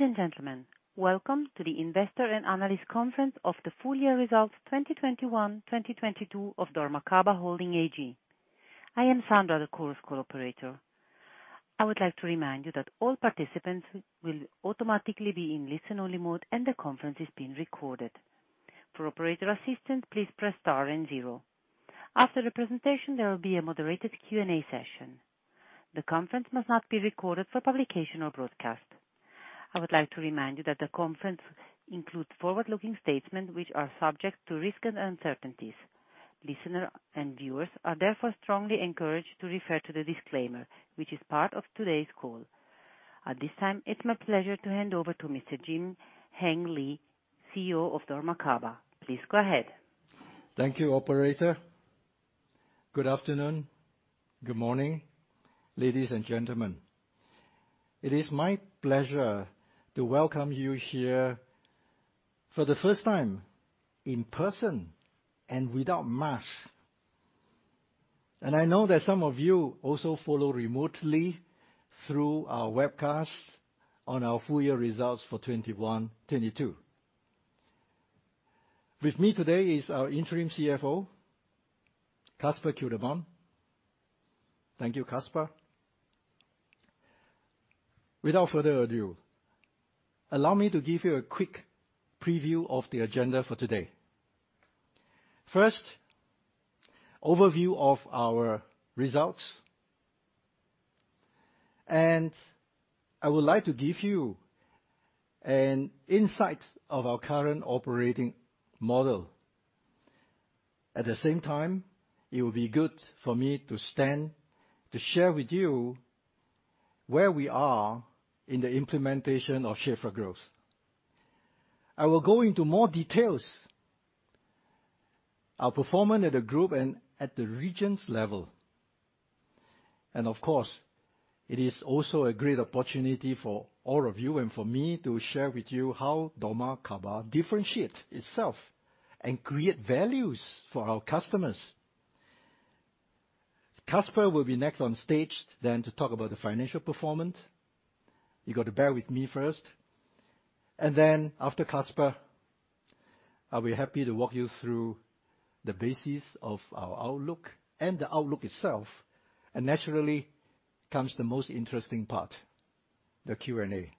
Ladies and gentlemen, welcome to the Investor and Analyst Conference of the Full Year Results 2021/2022 of Dormakaba Holding AG. I am Sandra, the conference operator. I would like to remind you that all participants will automatically be in listen-only mode, and the conference is being recorded. For operator assistance, please press star and zero. After the presentation, there will be a moderated Q&A session. The conference must not be recorded for publication or broadcast. I would like to remind you that the conference includes forward-looking statements which are subject to risks and uncertainties. Listeners and viewers are therefore strongly encouraged to refer to the disclaimer, which is part of today's call. At this time, it's my pleasure to hand over to Mr. Jim-Heng Lee, CEO of dormakaba. Please go ahead. Thank you, operator. Good afternoon. Good morning, ladies and gentlemen. It is my pleasure to welcome you here for the first time in person and without mask. I know that some of you also follow remotely through our webcast on our full year results for 2021/2022. With me today is our Interim CFO, Kaspar Kelterborn. Thank you, Kaspar. Without further ado, allow me to give you a quick preview of the agenda for today. First, overview of our results. I would like to give you an insight of our current operating model. At the same time, it will be good for me to stand to share with you where we are in the implementation of Shape4Growth. I will go into more details, our performance at the group and at the regions level. Of course, it is also a great opportunity for all of you and for me to share with you how dormakaba differentiate itself and create values for our customers. Kaspar will be next on stage then to talk about the financial performance. You got to bear with me first. Then after Kaspar, I'll be happy to walk you through the basis of our outlook and the outlook itself. Naturally comes the most interesting part, the Q&A.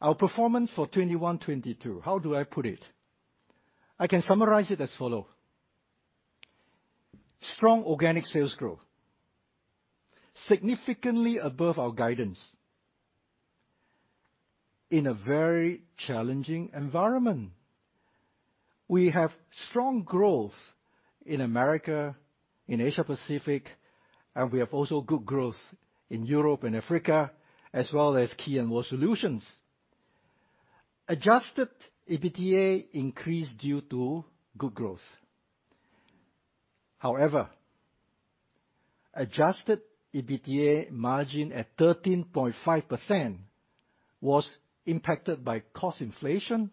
Our performance for 2021/2022, how do I put it? I can summarize it as follow. Strong organic sales growth, significantly above our guidance in a very challenging environment. We have strong growth in America, in Asia Pacific, and we have also good growth in Europe and Africa, as well as Keys & Wall solutions. Adjusted EBITDA increased due to good growth. However, Adjusted EBITDA margin at 13.5% was impacted by cost inflation,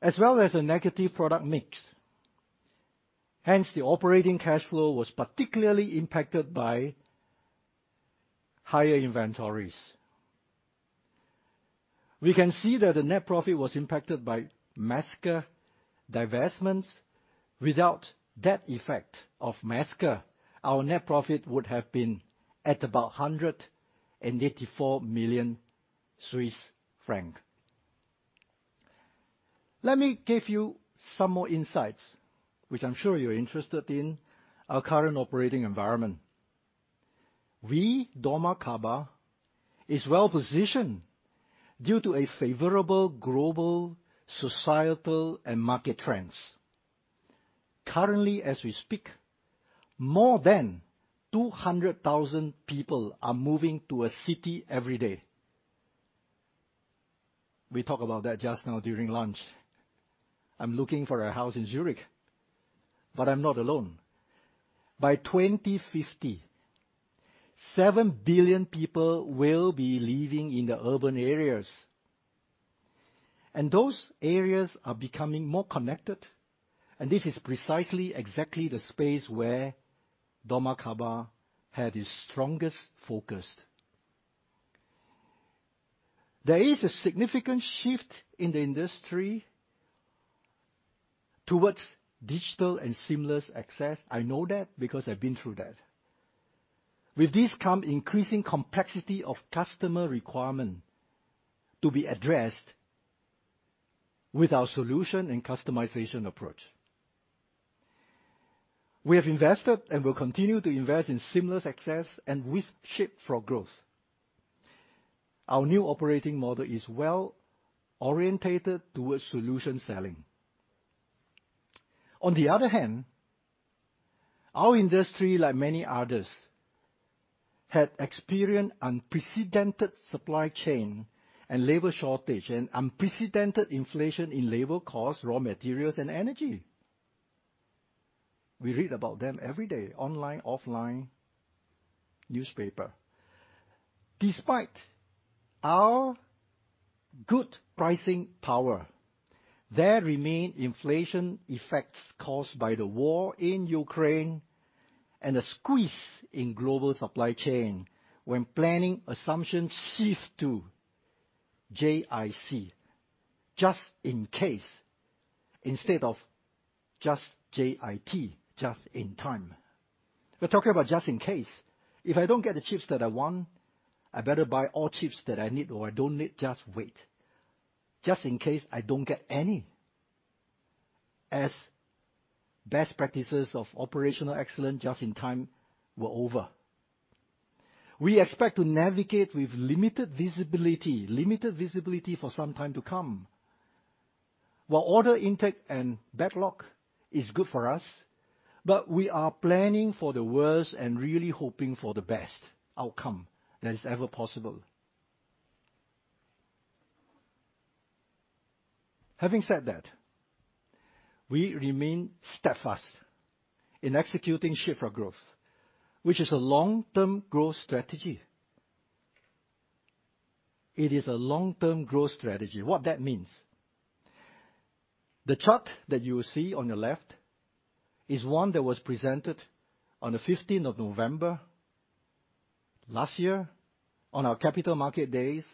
as well as a negative product mix. Hence, the operating cash flow was particularly impacted by higher inventories. We can see that the net profit was impacted by Mesker divestments. Without that effect of Mesker, our net profit would have been at about 184 million Swiss francs. Let me give you some more insights, which I'm sure you're interested in our current operating environment. We, dormakaba, is well-positioned due to a favorable global societal and market trends. Currently, as we speak, more than 200,000 people are moving to a city every day. We talked about that just now during lunch. I'm looking for a house in Zurich, but I'm not alone. By 2050, 7 billion people will be living in the urban areas. Those areas are becoming more connected, and this is precisely exactly the space where dormakaba had its strongest focus. There is a significant shift in the industry towards digital and seamless access. I know that because I've been through that. With this come increasing complexity of customer requirement to be addressed with our solution and customization approach. We have invested and will continue to invest in seamless access and with Shape4Growth. Our new operating model is well-oriented towards solution selling. On the other hand, our industry, like many others, had experienced unprecedented supply chain and labor shortage and unprecedented inflation in labor costs, raw materials, and energy. We read about them every day, online, offline, newspaper. Despite our good pricing power. There remain inflation effects caused by the war in Ukraine and a squeeze in global supply chain when planning assumptions shift to JIC, just-in-case, instead of just JIT, just-in-time. We're talking about just in case. If I don't get the chips that I want, I better buy all chips that I need or I don't need, just wait, just in case I don't get any. As best practices of operational excellence just in time were over. We expect to navigate with limited visibility for some time to come. While order intake and backlog is good for us, but we are planning for the worst and really hoping for the best outcome that is ever possible. Having said that, we remain steadfast in executing Shape4Growth, which is a long-term growth strategy. It is a long-term growth strategy. What that means? The chart that you see on your left is one that was presented on the November 15th last year on our capital market days,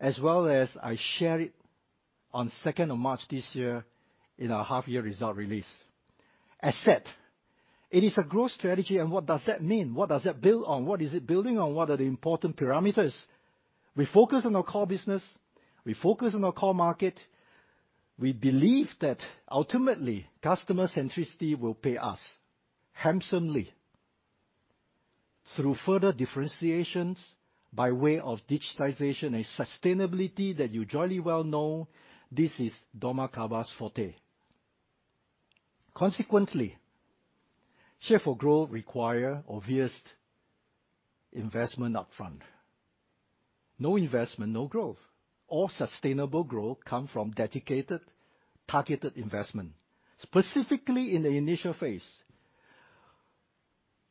as well as I share it on March 2nd this year in our half year result release. As said, it is a growth strategy and what does that mean? What does that build on? What is it building on? What are the important parameters? We focus on our core business. We focus on our core market. We believe that ultimately customer centricity will pay us handsomely through further differentiations by way of digitization and sustainability that you jolly well know this is dormakaba's forte. Consequently, Shape4Growth require obvious investment upfront. No investment, no growth. All sustainable growth come from dedicated targeted investment, specifically in the initial phase.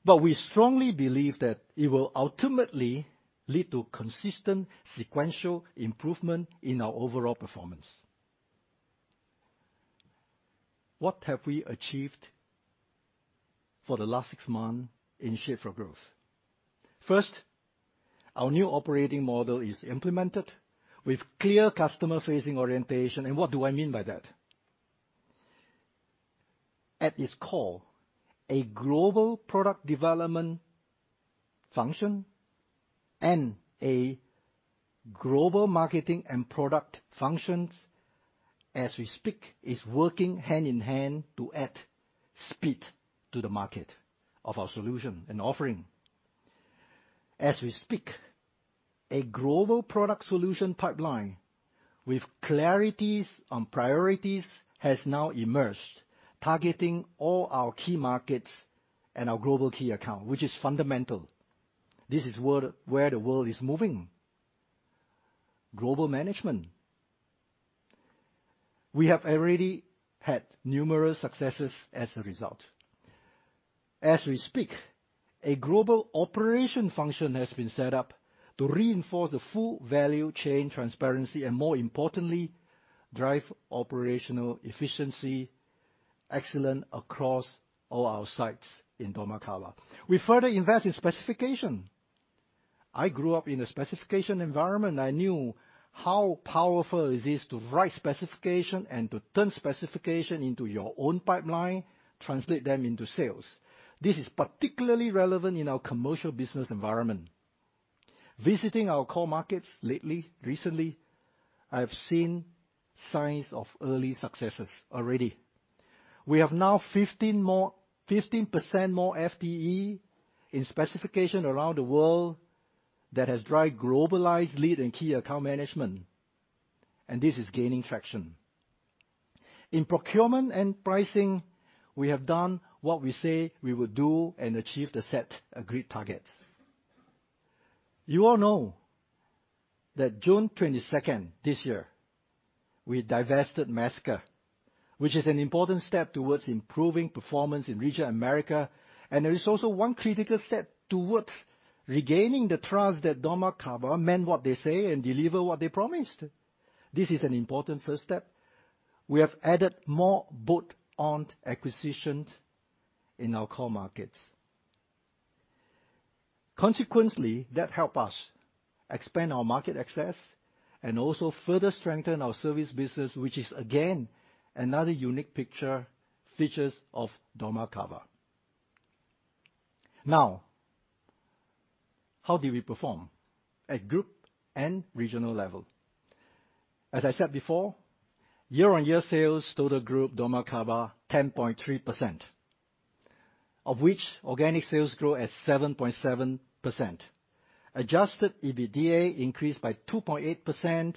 We strongly believe that it will ultimately lead to consistent sequential improvement in our overall performance. What have we achieved for the last six months in Shape4Growth? First, our new operating model is implemented with clear customer facing orientation. What do I mean by that? At its core, a global product development function and a global marketing and product functions as we speak is working hand in hand to add speed to the market of our solution and offering. As we speak, a global product solution pipeline with clarities on priorities has now emerged, targeting all our key markets and our global key account, which is fundamental. This is where the world is moving. Global management. We have already had numerous successes as a result. As we speak, a global operation function has been set up to reinforce the full value chain transparency and, more importantly, drive operational efficiency and excellence across all our sites in dormakaba. We further invest in specification. I grew up in a specification environment. I knew how powerful it is to write specification and to turn specification into your own pipeline, translate them into sales. This is particularly relevant in our commercial business environment. Visiting our core markets lately, recently, I have seen signs of early successes already. We have now 15% more FTE in specification around the world that has driven globalized lead and key account management, and this is gaining traction. In procurement and pricing, we have done what we say we will do and achieve the set agreed targets. You all know that June 22nd this year, we divested Mesker, which is an important step towards improving performance in region America. There is also one critical step towards regaining the trust that dormakaba meant what they say and deliver what they promised. This is an important first step. We have added more bolt-on acquisitions in our core markets. Consequently, that helps us expand our market access and also further strengthen our service business, which is again, another unique feature of dormakaba. Now, how did we perform at group and regional level? As I said before, year-on-year sales total group dormakaba 10.3%, of which organic sales grow at 7.7%. Adjusted EBITDA increased by 2.8%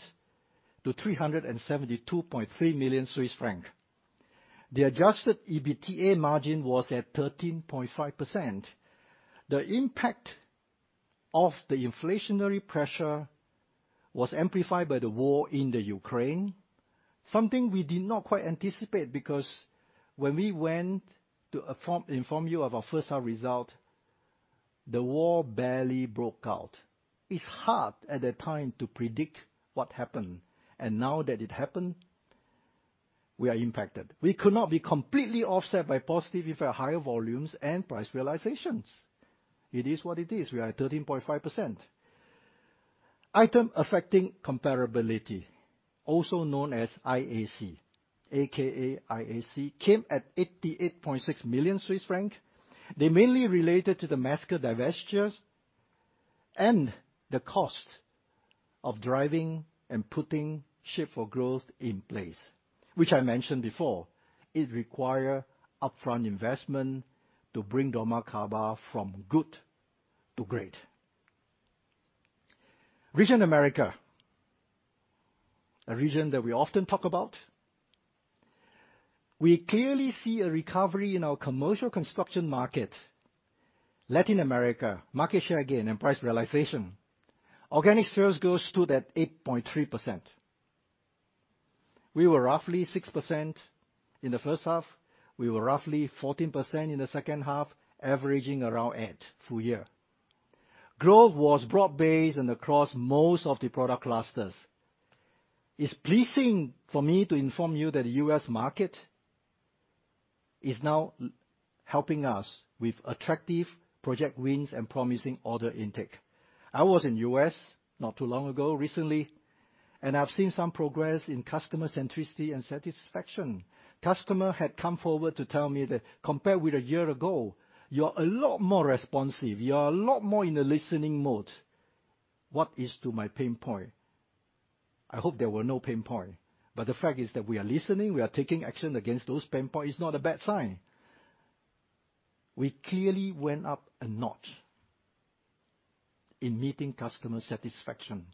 to 372.3 million Swiss francs. The Adjusted EBITDA margin was at 13.5%. The impact of the inflationary pressure was amplified by the war in Ukraine. Something we did not quite anticipate because when we went to inform you of our first half results. The war barely broke out. It's hard at that time to predict what happened. Now that it happened, we are impacted. We could not be completely offset by positive effect, higher volumes, and price realizations. It is what it is. We are at 13.5%. Items affecting comparability, also known as IAC, came at 88.6 million Swiss francs. They mainly related to the Mesker divestitures and the cost of driving and putting Shape4Growth in place, which I mentioned before. It require upfront investment to bring dormakaba from good to great. Region America. A region that we often talk about. We clearly see a recovery in our commercial construction market. Latin America, market share gain and price realization. Organic sales growth stood at 8.3%. We were roughly 6% in the first half. We were roughly 14% in the second half, averaging around 8% full year. Growth was broad-based and across most of the product clusters. It's pleasing for me to inform you that the U.S. market is now helping us with attractive project wins and promising order intake. I was in the U.S. not too long ago, recently, and I've seen some progress in customer centricity and satisfaction. Customer had come forward to tell me that compared with a year ago, you are a lot more responsive. You are a lot more in a listening mode. What is to my pain point? I hope there were no pain point. The fact is that we are listening, we are taking action against those pain points is not a bad sign. We clearly went up a notch in meeting customer satisfaction.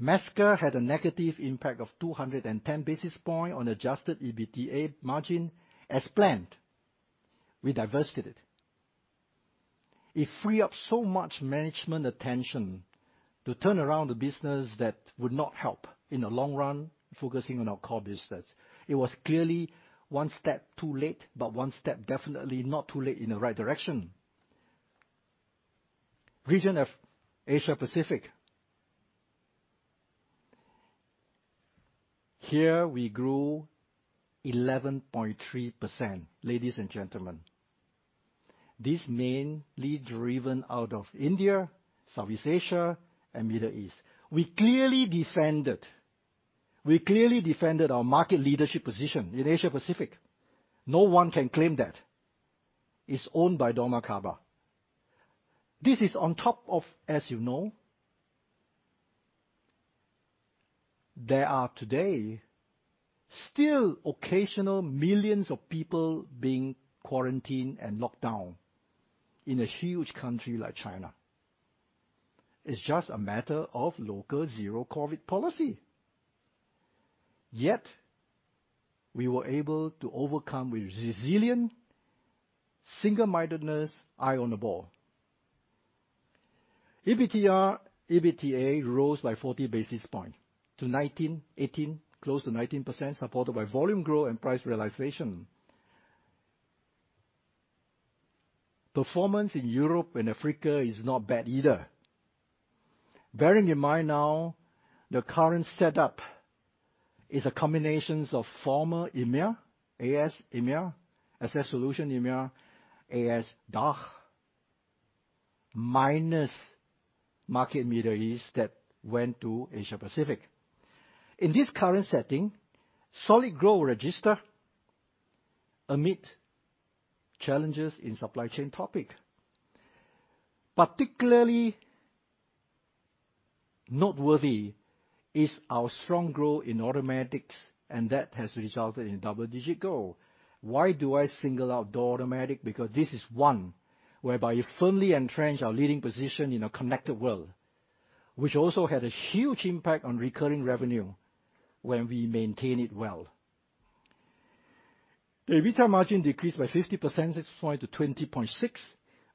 Mesker had a negative impact of 210 basis points on Adjusted EBITDA margin as planned. We divested it. It free up so much management attention to turn around the business that would not help in the long run, focusing on our core business. It was clearly one step too late, one step definitely not too late in the right direction. Region of Asia-Pacific. Here we grew 11.3%, ladies and gentlemen. This mainly driven out of India, Southeast Asia, and Middle East. We clearly defended our market leadership position in Asia-Pacific. No one can claim that. It's owned by dormakaba. This is on top of, as you know, there are today still occasional millions of people being quarantined and locked down in a huge country like China. It's just a matter of local zero COVID policy. Yet, we were able to overcome with resilience, single-mindedness, eye on the ball. EBITDA rose by 40 basis points to 19%, 18%, close to 19%, supported by volume growth and price realization. Performance in Europe and Africa is not bad either. Bearing in mind now the current setup is a combination of former EMEA, AS EMEA, Access Solutions EMEA, AS DACH, minus market Middle East that went to Asia-Pacific. In this current setting, solid growth registered amid challenges in supply chain topic. Particularly noteworthy is our strong growth in automatics, and that has resulted in double-digit growth. Why do I single out door automatics? Because this is one whereby it firmly entrench our leading position in a connected world, which also had a huge impact on recurring revenue when we maintain it well. The EBITDA margin decreased from 26% to 20.6%,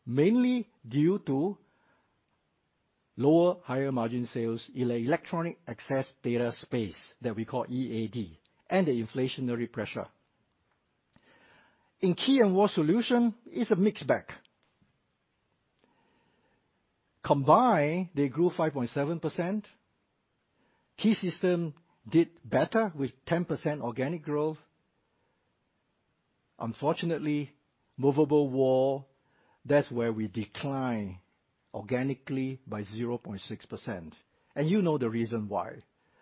mainly due to lower higher-margin sales in the Electronic Access & Data space that we call EAD and the inflationary pressure. In Key & Wall Solutions, it's a mixed bag. Combined, they grew 5.7%. Key Systems did better with 10% organic growth. Unfortunately, Movable Walls, that's where we decline organically by 0.6%. You know the reason why.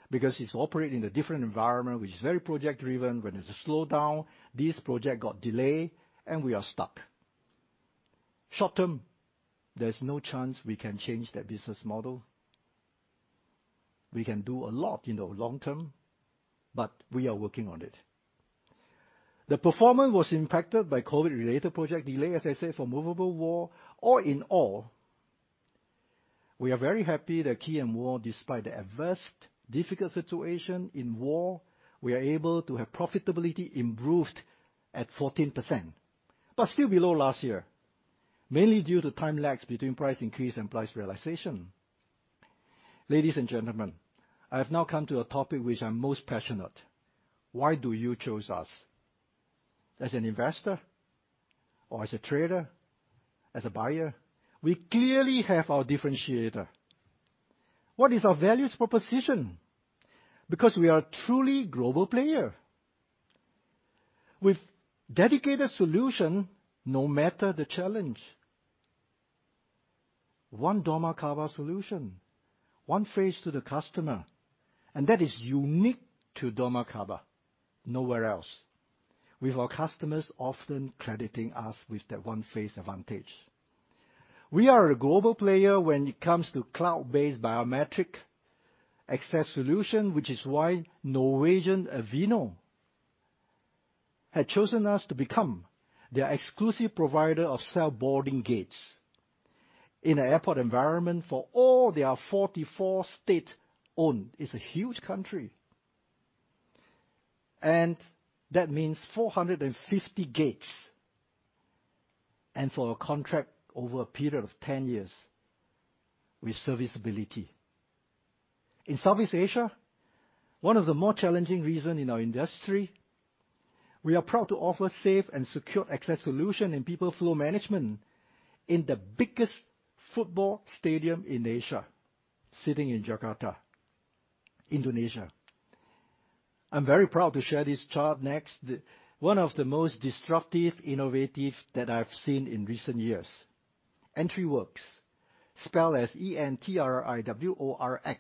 Because it's operating in a different environment, which is very project driven. When it's a slowdown, this project got delayed, and we are stuck. Short term, there's no chance we can change that business model. We can do a lot in the long term, but we are working on it. The performance was impacted by COVID-related project delay, as I said, for Movable Walls. All in all, we are very happy that Keys & Walls, despite the adverse difficult situation in Walls, we are able to have profitability improved at 14%. Still below last year, mainly due to time lapse between price increase and price realization. Ladies and gentlemen, I have now come to a topic which I'm most passionate. Why do you choose us? As an investor or as a trader, as a buyer, we clearly have our differentiator. What is our value proposition? Because we are a truly global player. With dedicated solution, no matter the challenge. One dormakaba solution, one face to the customer, and that is unique to dormakaba, nowhere else. With our customers often crediting us with that one face advantage. We are a global player when it comes to cloud-based biometric access solution, which is why Norwegian Avinor had chosen us to become their exclusive provider of self-boarding gates in an airport environment for all their 44 state-owned. It's a huge country. That means 450 gates, and for a contract over a period of 10 years with serviceability. In Southeast Asia, one of the more challenging regions in our industry, we are proud to offer safe and secure access solution and people flow management in the biggest football stadium in Asia, situated in Jakarta, Indonesia. I'm very proud to share this chart next. One of the most disruptive innovations that I've seen in recent years. EntriWorX, spelled as E-N-T-R-I-W-O-R-X.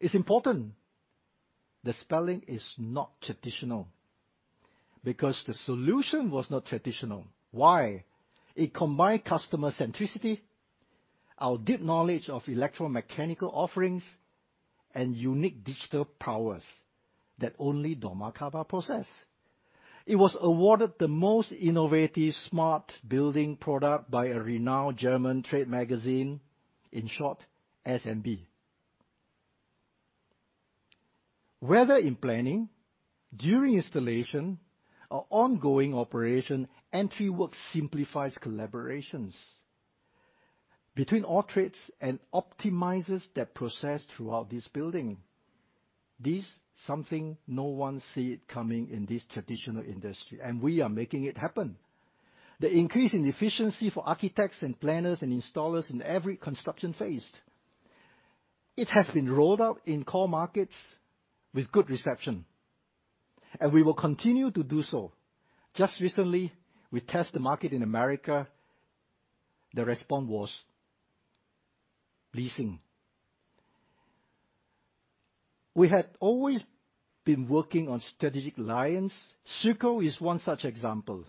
It's important. The spelling is not traditional because the solution was not traditional. Why? It combined customer centricity, our deep knowledge of electromechanical offerings, and unique digital powers that only dormakaba possess. It was awarded the most innovative smart building product by a renowned German trade magazine, in short, SBM. Whether in planning, during installation, or ongoing operation, EntriWorX simplifies collaborations between all trades and optimizes that process throughout this building. This is something no one saw coming in this traditional industry, and we are making it happen. The increase in efficiency for architects and planners and installers in every construction phase. It has been rolled out in core markets with good reception, and we will continue to do so. Just recently, we tested the market in America. The response was pleasing. We had always been working on strategic alliance. Schüco is one such example.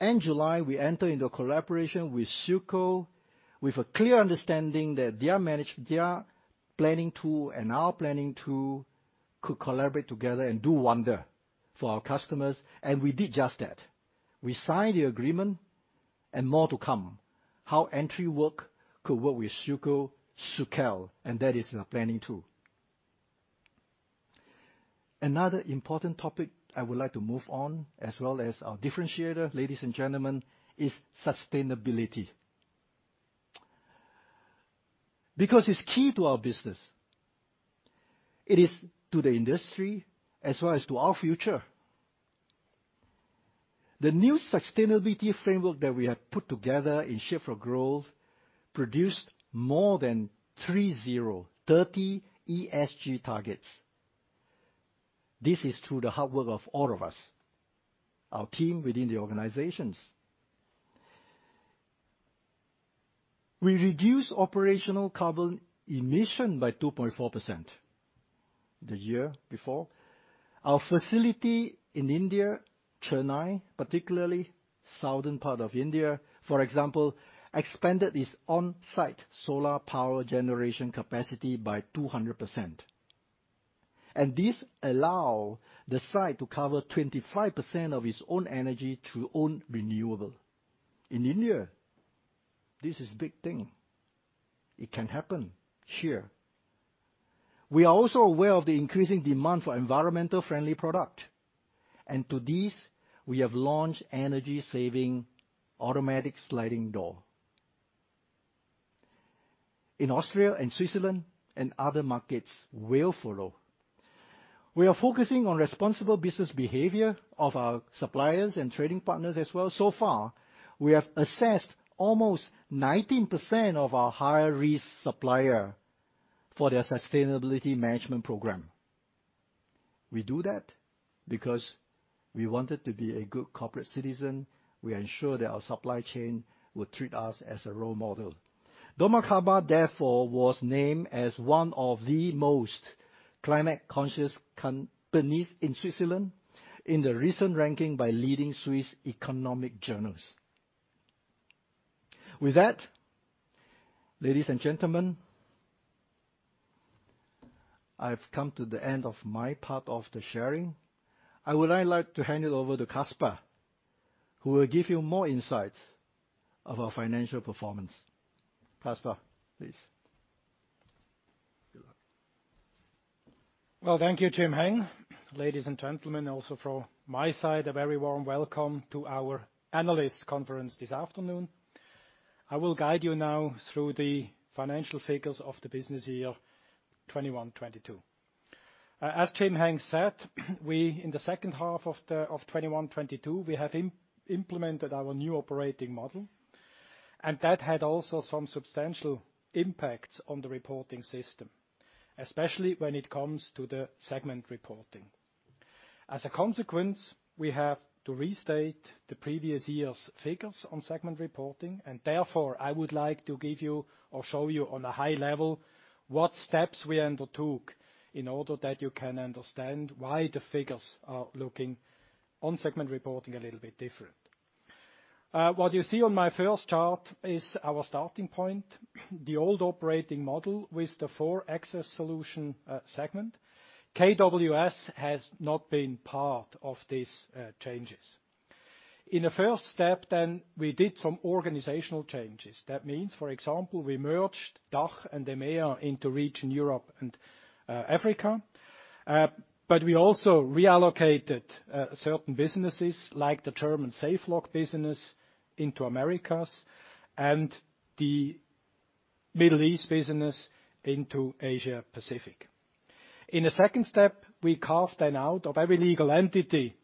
In July, we enter into a collaboration with Schüco with a clear understanding that their planning tool and our planning tool could collaborate together and do wonders for our customers. We did just that. We signed the agreement and more to come, how EntriWorX could work with Schüco, SchüCal, and that is their planning tool. Another important topic I would like to move on as well as our differentiator, ladies and gentlemen, is sustainability. Because it's key to our business. It is to the industry as well as to our future. The new sustainability framework that we have put together in Shape4Growth produced more than 30 ESG targets. This is through the hard work of all of us, our team within the organizations. We reduced operational carbon emission by 2.4% the year before. Our facility in India, Chennai, particularly southern part of India, for example, expanded its on-site solar power generation capacity by 200%. This allow the site to cover 25% of its own energy through own renewable. In India, this is big thing. It can happen here. We are also aware of the increasing demand for environmental-friendly product. To this, we have launched energy-saving automatic sliding door. In Austria and Switzerland, and other markets will follow. We are focusing on responsible business behavior of our suppliers and trading partners as well. So far, we have assessed almost 19% of our higher risk supplier for their sustainability management program. We do that because we wanted to be a good corporate citizen. We ensure that our supply chain will treat us as a role model. dormakaba, therefore, was named as one of the most climate-conscious companies in Switzerland in the recent ranking by leading Swiss economic journals. With that, ladies and gentlemen, I've come to the end of my part of the sharing. I would now like to hand it over to Kaspar, who will give you more insights of our financial performance. Kaspar, please. Well, thank you, Jim-Heng. Ladies and gentlemen, also from my side, a very warm welcome to our analyst conference this afternoon. I will guide you now through the financial figures of the business year 2021, 2022. As Jim-Heng said, we in the second half of 2021, 2022, we have implemented our new operating model, and that had also some substantial impact on the reporting system, especially when it comes to the segment reporting. As a consequence, we have to restate the previous year's figures on segment reporting and therefore, I would like to give you or show you on a high level what steps we undertook in order that you can understand why the figures are looking on segment reporting a little bit different. What you see on my first chart is our starting point, the old operating model with the four access solution segment. KWS has not been part of these changes. In the first step, we did some organizational changes. That means, for example, we merged DACH and EMEA into Region Europe and Africa. We also reallocated certain businesses like the German Saflok business into Americas, and the Middle East business into Asia Pacific. In the second step, we carved out of every legal entity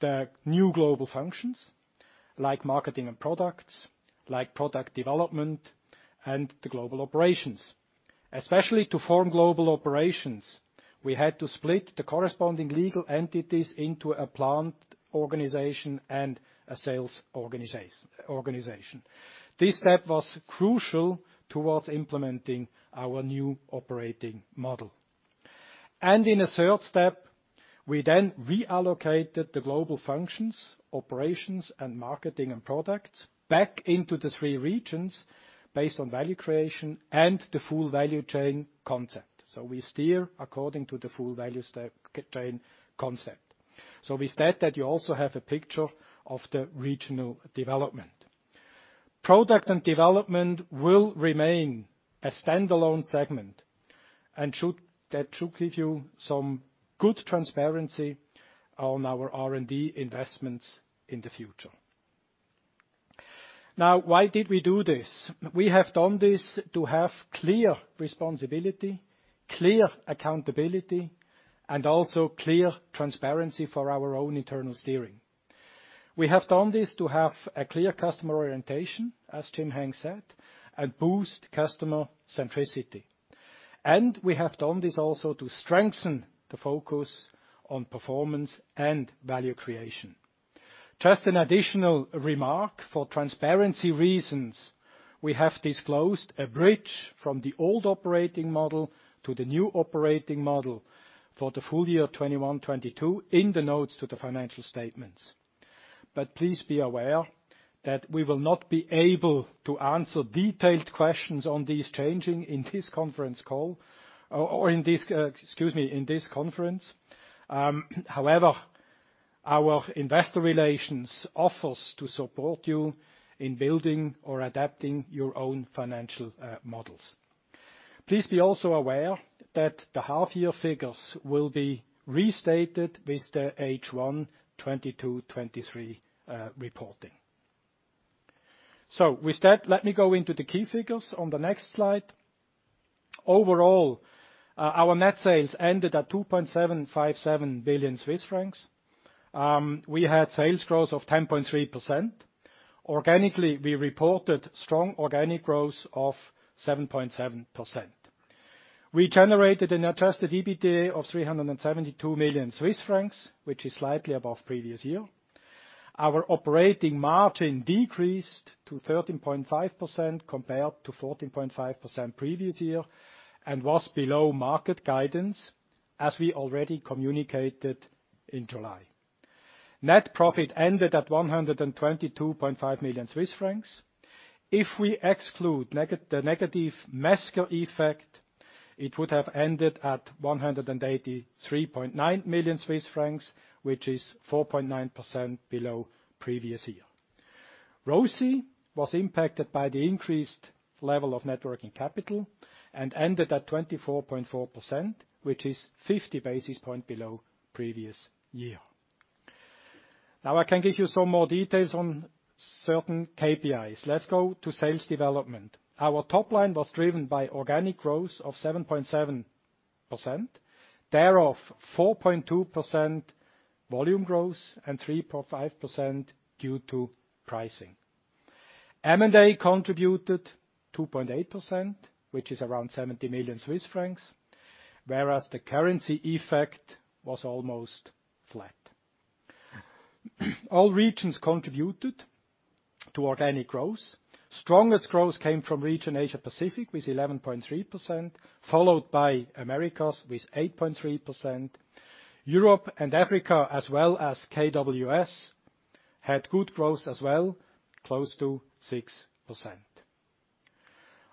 the new global functions, like marketing and products, like product development and the global operations. Especially to form global operations, we had to split the corresponding legal entities into a plant organization and a sales organization. This step was crucial towards implementing our new operating model. In a third step, we then reallocated the global functions, operations, and marketing and products back into the three regions based on value creation and the full value chain concept. We steer according to the full value chain concept. With that you also have a picture of the regional development. Product and development will remain a standalone segment, and that should give you some good transparency on our R&D investments in the future. Now, why did we do this? We have done this to have clear responsibility, clear accountability, and also clear transparency for our own internal steering. We have done this to have a clear customer orientation, as Jim-Heng said, and boost customer centricity. We have done this also to strengthen the focus on performance and value creation. Just an additional remark, for transparency reasons, we have disclosed a bridge from the old operating model to the new operating model for the full year 2021, 2022 in the notes to the financial statements. Please be aware that we will not be able to answer detailed questions on these changes in this conference call or in this conference. However, our investor relations offers to support you in building or adapting your own financial models. Please be also aware that the half year figures will be restated with the H1 2022, 2023 reporting. With that, let me go into the key figures on the next slide. Overall, our net sales ended at 2.757 billion Swiss francs. We had sales growth of 10.3%. Organically, we reported strong organic growth of 7.7%. We generated an Adjusted EBITDA of 372 million Swiss francs, which is slightly above previous year. Our operating margin decreased to 13.5% compared to 14.5% previous year, and was below market guidance as we already communicated in July. Net profit ended at 122.5 million Swiss francs. If we exclude the negative Mesker effect, it would have ended at 183.9 million Swiss francs, which is 4.9% below previous year. ROCE was impacted by the increased level of net working capital and ended at 24.4%, which is 50 basis points below previous year. Now I can give you some more details on certain KPIs. Let's go to sales development. Our top line was driven by organic growth of 7.7%, thereof 4.2% volume growth and 3.5% due to pricing. M&A contributed 2.8%, which is around 70 million Swiss francs. Whereas the currency effect was almost flat. All regions contributed to organic growth. Strongest growth came from region Asia Pacific with 11.3%, followed by Americas with 8.3%. Europe and Africa as well as KWS had good growth as well, close to 6%.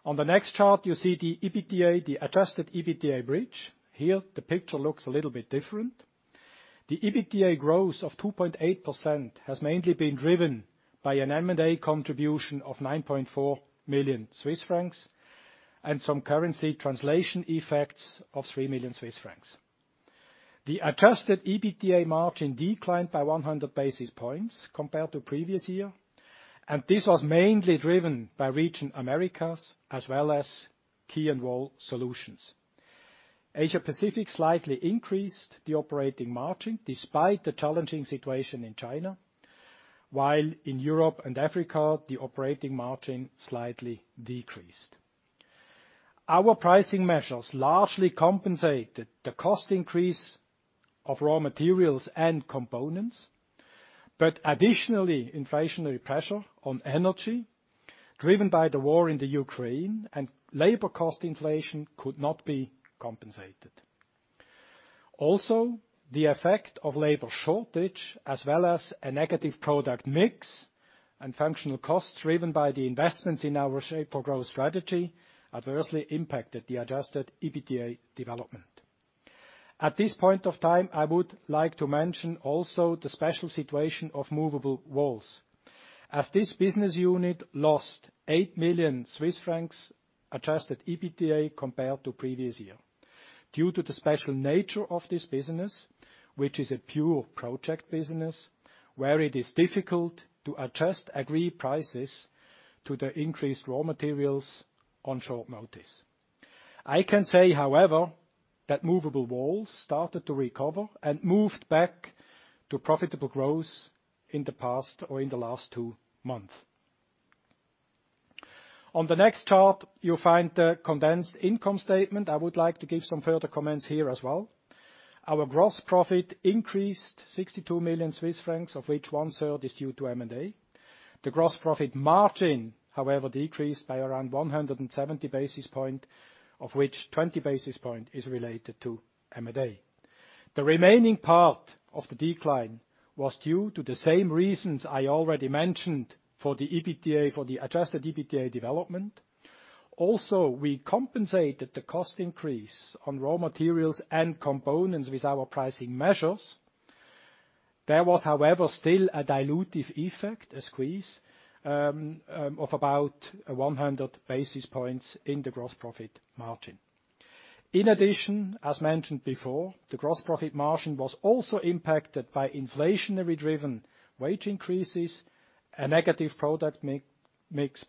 On the next chart you see the EBITDA, the Adjusted EBITDA bridge. Here, the picture looks a little bit different. The EBITDA growth of 2.8% has mainly been driven by an M&A contribution of 9.4 million Swiss francs, and some currency translation effects of 3 million Swiss francs. The Adjusted EBITDA margin declined by 100 basis points compared to previous year, and this was mainly driven by region Americas, as well as Key & Wall Solutions. Asia-Pacific slightly increased the operating margin despite the challenging situation in China, while in Europe and Africa, the operating margin slightly decreased. Our pricing measures largely compensated the cost increase of raw materials and components, but additionally, inflationary pressure on energy, driven by the war in the Ukraine, and labor cost inflation could not be compensated. Also, the effect of labor shortage, as well as a negative product mix and functional costs driven by the investments in our Shape4Growth strategy, adversely impacted the Adjusted EBITDA development. At this point of time, I would like to mention also the special situation of Movable Walls, as this business unit lost 8 million Swiss francs Adjusted EBITDA compared to previous year. Due to the special nature of this business, which is a pure project business, where it is difficult to adjust agreed prices to the increased raw materials on short notice. I can say, however, that Movable Walls started to recover and moved back to profitable growth in the past or in the last two months. On the next chart, you'll find the condensed income statement. I would like to give some further comments here as well. Our gross profit increased 62 million Swiss francs, of which 1/3 is due to M&A. The gross profit margin, however, decreased by around 170 basis points, of which 20 basis points is related to M&A. The remaining part of the decline was due to the same reasons I already mentioned for the Adjusted EBITDA development. Also, we compensated the cost increase on raw materials and components with our pricing measures. There was, however, still a dilutive effect, a squeeze, of about 100 basis points in the gross profit margin. In addition, as mentioned before, the gross profit margin was also impacted by inflationary-driven wage increases, a negative product mix,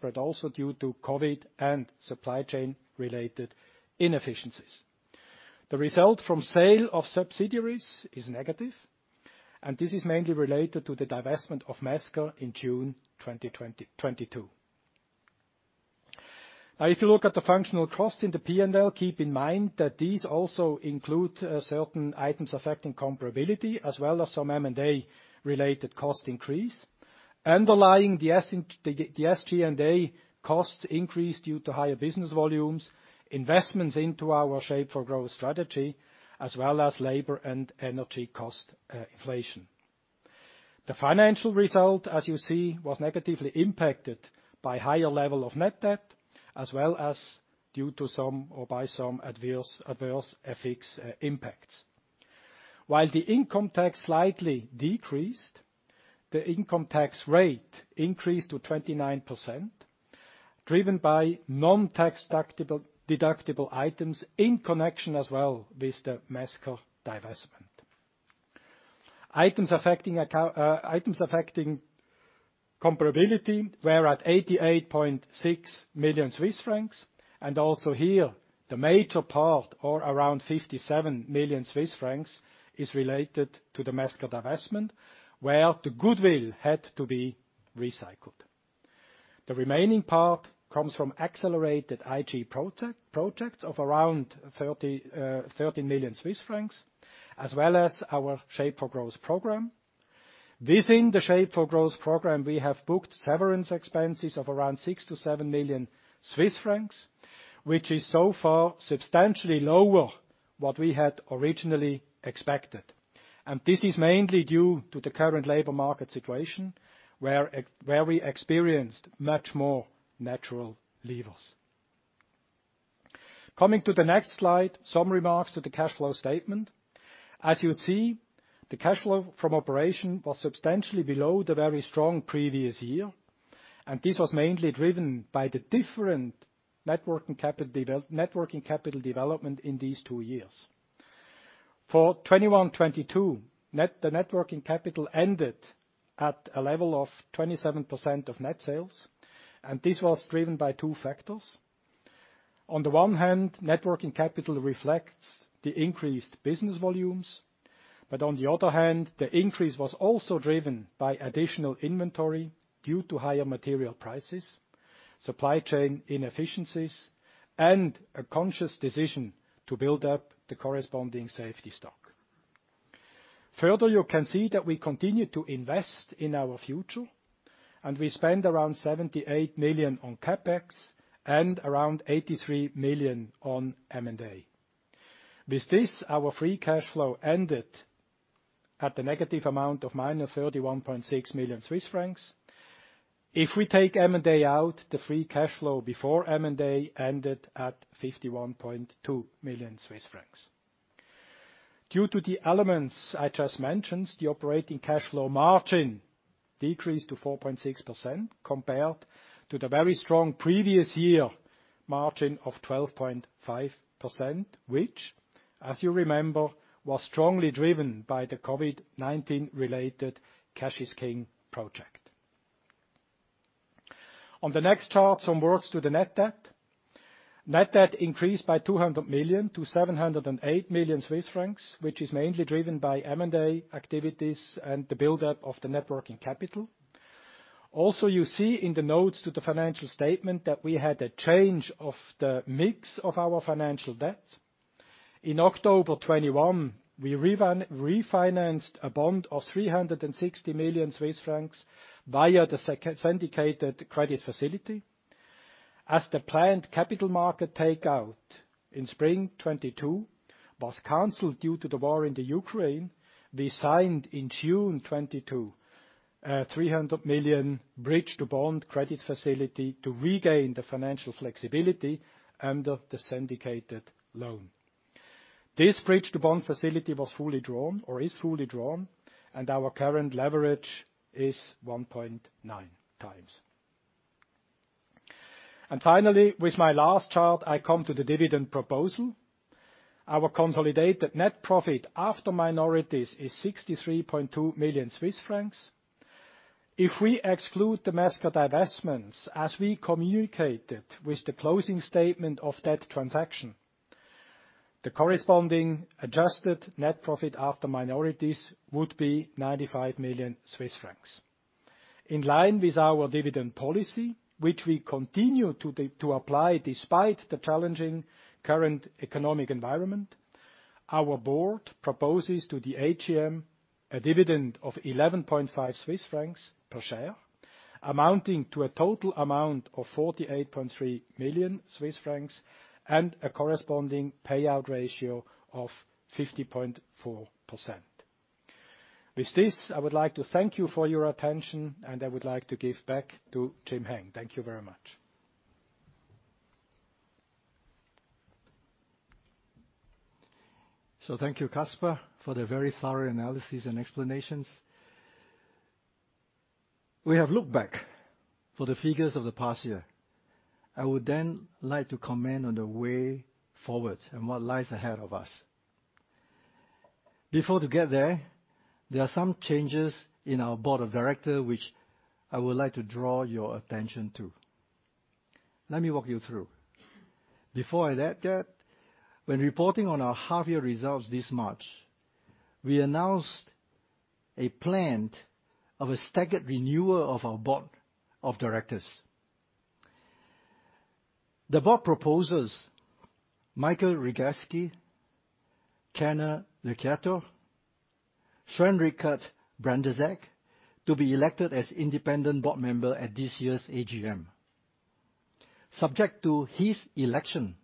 but also due to COVID and supply chain-related inefficiencies. The result from sale of subsidiaries is negative, and this is mainly related to the divestment of Mesker in June 2022. Now, if you look at the functional cost in the P&L, keep in mind that these also include certain items affecting comparability as well as some M&A-related cost increase. Underlying the SG&A costs increased due to higher business volumes, investments into our Shape4Growth strategy, as well as labor and energy cost inflation. The financial result, as you see, was negatively impacted by higher level of net debt as well as due to some or by some adverse FX impacts. While the income tax slightly decreased, the income tax rate increased to 29%, driven by non-tax deductible items in connection as well with the Mesker divestment. Items affecting comparability were at 88.6 million Swiss francs, and also here, the major part, or around 57 million Swiss francs, is related to the Mesker divestment, where the goodwill had to be recycled. The remaining part comes from accelerated IT projects of around 30 million Swiss francs, as well as our Shape4Growth program. Within the Shape4Growth program, we have booked severance expenses of around 6 million-7 million Swiss francs, which is so far substantially lower what we had originally expected. This is mainly due to the current labor market situation, where we experienced much more natural levers. Coming to the next slide, some remarks to the cash flow statement. As you see, the cash flow from operation was substantially below the very strong previous year, and this was mainly driven by the different net working capital development in these two years. For 2021, 2022, net working capital ended at a level of 27% of net sales, and this was driven by two factors. On the one hand, net working capital reflects the increased business volumes, but on the other hand, the increase was also driven by additional inventory due to higher material prices, supply chain inefficiencies, and a conscious decision to build up the corresponding safety stock. Further, you can see that we continue to invest in our future, and we spend around 78 million on CapEx and around 83 million on M&A. With this, our free cash flow ended at the negative amount of -31.6 million Swiss francs. If we take M&A out, the free cash flow before M&A ended at 51.2 million Swiss francs. Due to the elements I just mentioned, the operating cash flow margin decreased to 4.6% compared to the very strong previous year margin of 12.5%, which, as you remember, was strongly driven by the COVID-19 related Cash is King project. On the next chart, some words to the net debt. Net debt increased by 200 million to 708 million Swiss francs, which is mainly driven by M&A activities and the buildup of the net working capital. Also, you see in the notes to the financial statement that we had a change of the mix of our financial debt. In October 2021, we refinanced a bond of 360 million Swiss francs via the syndicated credit facility. As the planned capital market takeout in spring 2022 was canceled due to the war in the Ukraine, we signed in June 2022, 300 million bridge to bond credit facility to regain the financial flexibility under the syndicated loan. This bridge to bond facility was fully drawn, or is fully drawn, and our current leverage is 1.9x. Finally, with my last chart, I come to the dividend proposal. Our consolidated net profit after minorities is 63.2 million Swiss francs. If we exclude the Mesker divestments, as we communicated with the closing statement of that transaction, the corresponding adjusted net profit after minorities would be 95 million Swiss francs. In line with our dividend policy, which we continue to apply despite the challenging current economic environment, our board proposes to the AGM a dividend of 11.5 Swiss francs per share, amounting to a total amount of 48.3 million Swiss francs and a corresponding payout ratio of 50.4%. With this, I would like to thank you for your attention, and I would like to give back to Jim-Heng. Thank you very much. Thank you, Kaspar, for the very thorough analysis and explanations. We have looked back for the figures of the past year. I would then like to comment on the way forward and what lies ahead of us. Before to get there are some changes in our board of director, which I would like to draw your attention to. Let me walk you through. Before I add that, when reporting on our half-year results this March, we announced a plan of a staggered renewal of our board of directors. The board proposes Michael Regelski, Kenneth Lochiatto, Svein Richard Brandtzæg to be elected as independent board member at this year's AGM. Subject to his election,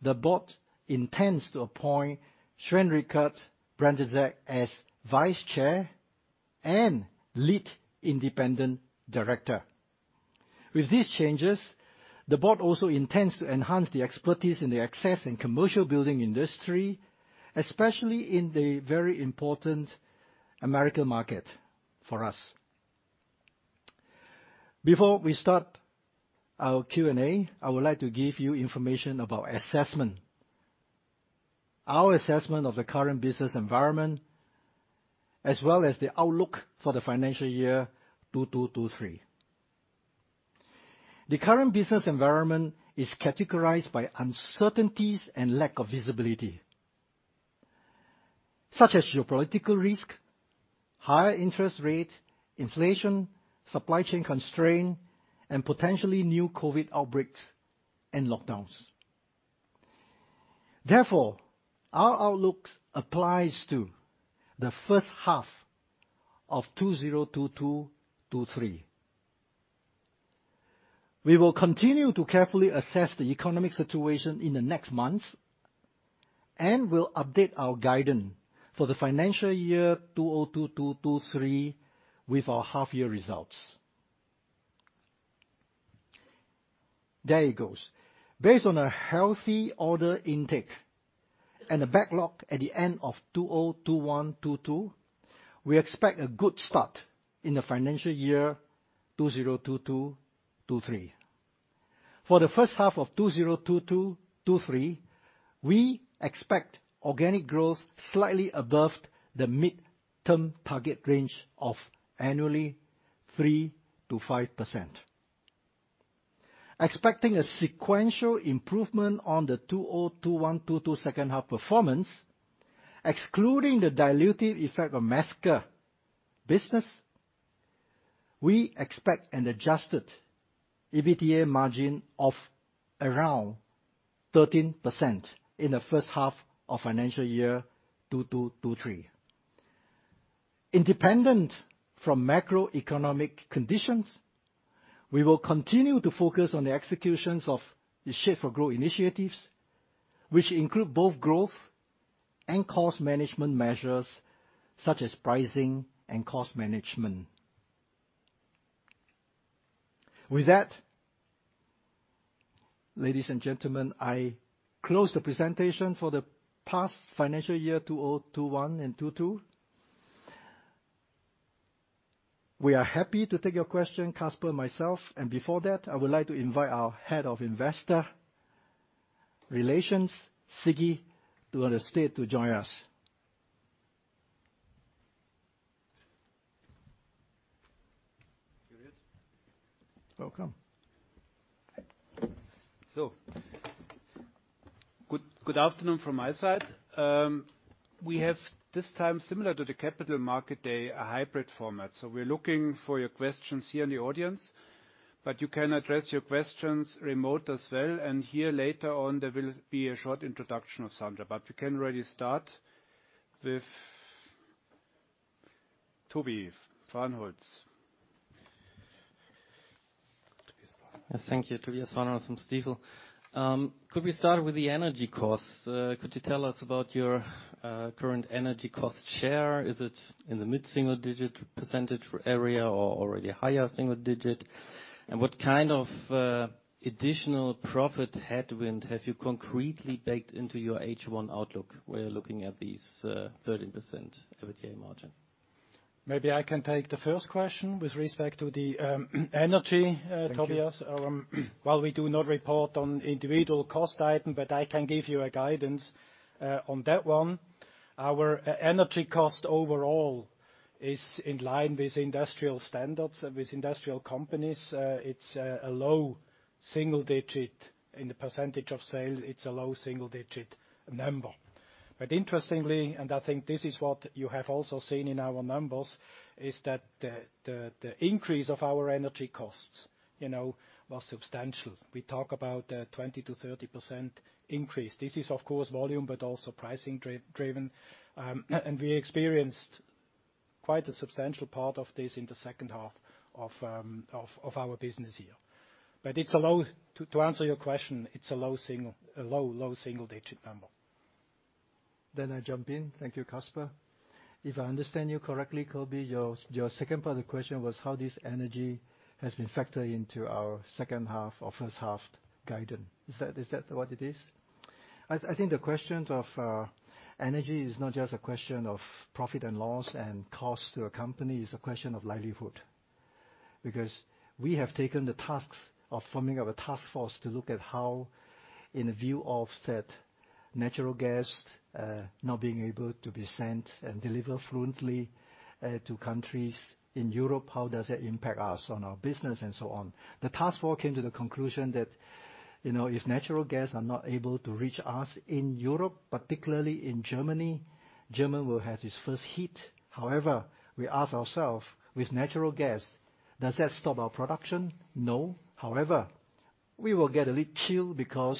the board intends to appoint Svein Richard Brandtzæg as vice chair and lead independent director. With these changes, the board also intends to enhance the expertise in the access and commercial building industry, especially in the very important American market for us. Before we start our Q&A, I would like to give you information about assessment. Our assessment of the current business environment, as well as the outlook for the financial year 2022/23. The current business environment is categorized by uncertainties and lack of visibility, such as geopolitical risk, higher interest rate, inflation, supply chain constraint, and potentially new COVID outbreaks and lockdowns. Therefore, our outlooks applies to the first half of 2022/23. We will continue to carefully assess the economic situation in the next months and will update our guidance for the financial year 2022/23 with our half year results. There it goes. Based on a healthy order intake and a backlog at the end of 2021/22, we expect a good start in the financial year 2022/23. For the first half of 2022/23, we expect organic growth slightly above the mid-term target range of annually 3%-5%. Expecting a sequential improvement on the 2021/22 second half performance, excluding the dilutive effect of Mesker business, we expect an Adjusted EBITDA margin of around 13% in the first half of financial year 2022/23. Independent from macroeconomic conditions, we will continue to focus on the execution of the Shape4Growth initiatives, which include both growth and cost management measures, such as pricing and cost management. With that, ladies and gentlemen, I close the presentation for the past financial year 2021 and 2022. We are happy to take your question, Kaspar and myself. Before that, I would like to invite our head of investor relations, Sigi, to the stage to join us. Welcome. Good afternoon from my side. We have this time, similar to the capital market day, a hybrid format. We're looking for your questions here in the audience, but you can address your questions remotely as well. Here, later on, there will be a short introduction of Sandra. We can really start with Toby Fahrenholz. Yes, thank you. Tobias Fahrenholz from Stifel. Could we start with the energy costs? Could you tell us about your current energy cost share? Is it in the mid-single digit percentage area or already higher single digit? What kind of additional profit headwind have you concretely baked into your H1 outlook? We're looking at these 13% EBITDA margin. Maybe I can take the first question with respect to the energy, Tobias. Thank you. While we do not report on individual cost item, but I can give you a guidance on that one. Our energy cost overall is in line with industrial standards, with industrial companies. It's a low single digit in the percentage of sale. It's a low single digit number. Interestingly, and I think this is what you have also seen in our numbers, is that the increase of our energy costs, you know, was substantial. We talk about 20%-30% increase. This is of course volume, but also pricing driven. We experienced quite a substantial part of this in the second half of our business year. To answer your question, it's a low single digit number. I jump in. Thank you, Kaspar. If I understand you correctly, Tobias, your second part of the question was how this energy has been factored into our second half or first half guidance. Is that what it is? I think the question of energy is not just a question of profit and loss and cost to a company. It's a question of livelihood. Because we have taken the tasks of forming of a task force to look at how, in a view of that natural gas not being able to be sent and delivered fluidly to countries in Europe, how does that impact us on our business and so on. The task force came to the conclusion that, you know, if natural gas are not able to reach us in Europe, particularly in Germany will have its first hit. However, we ask ourselves with natural gas, does that stop our production? No. However, we will get a little chill because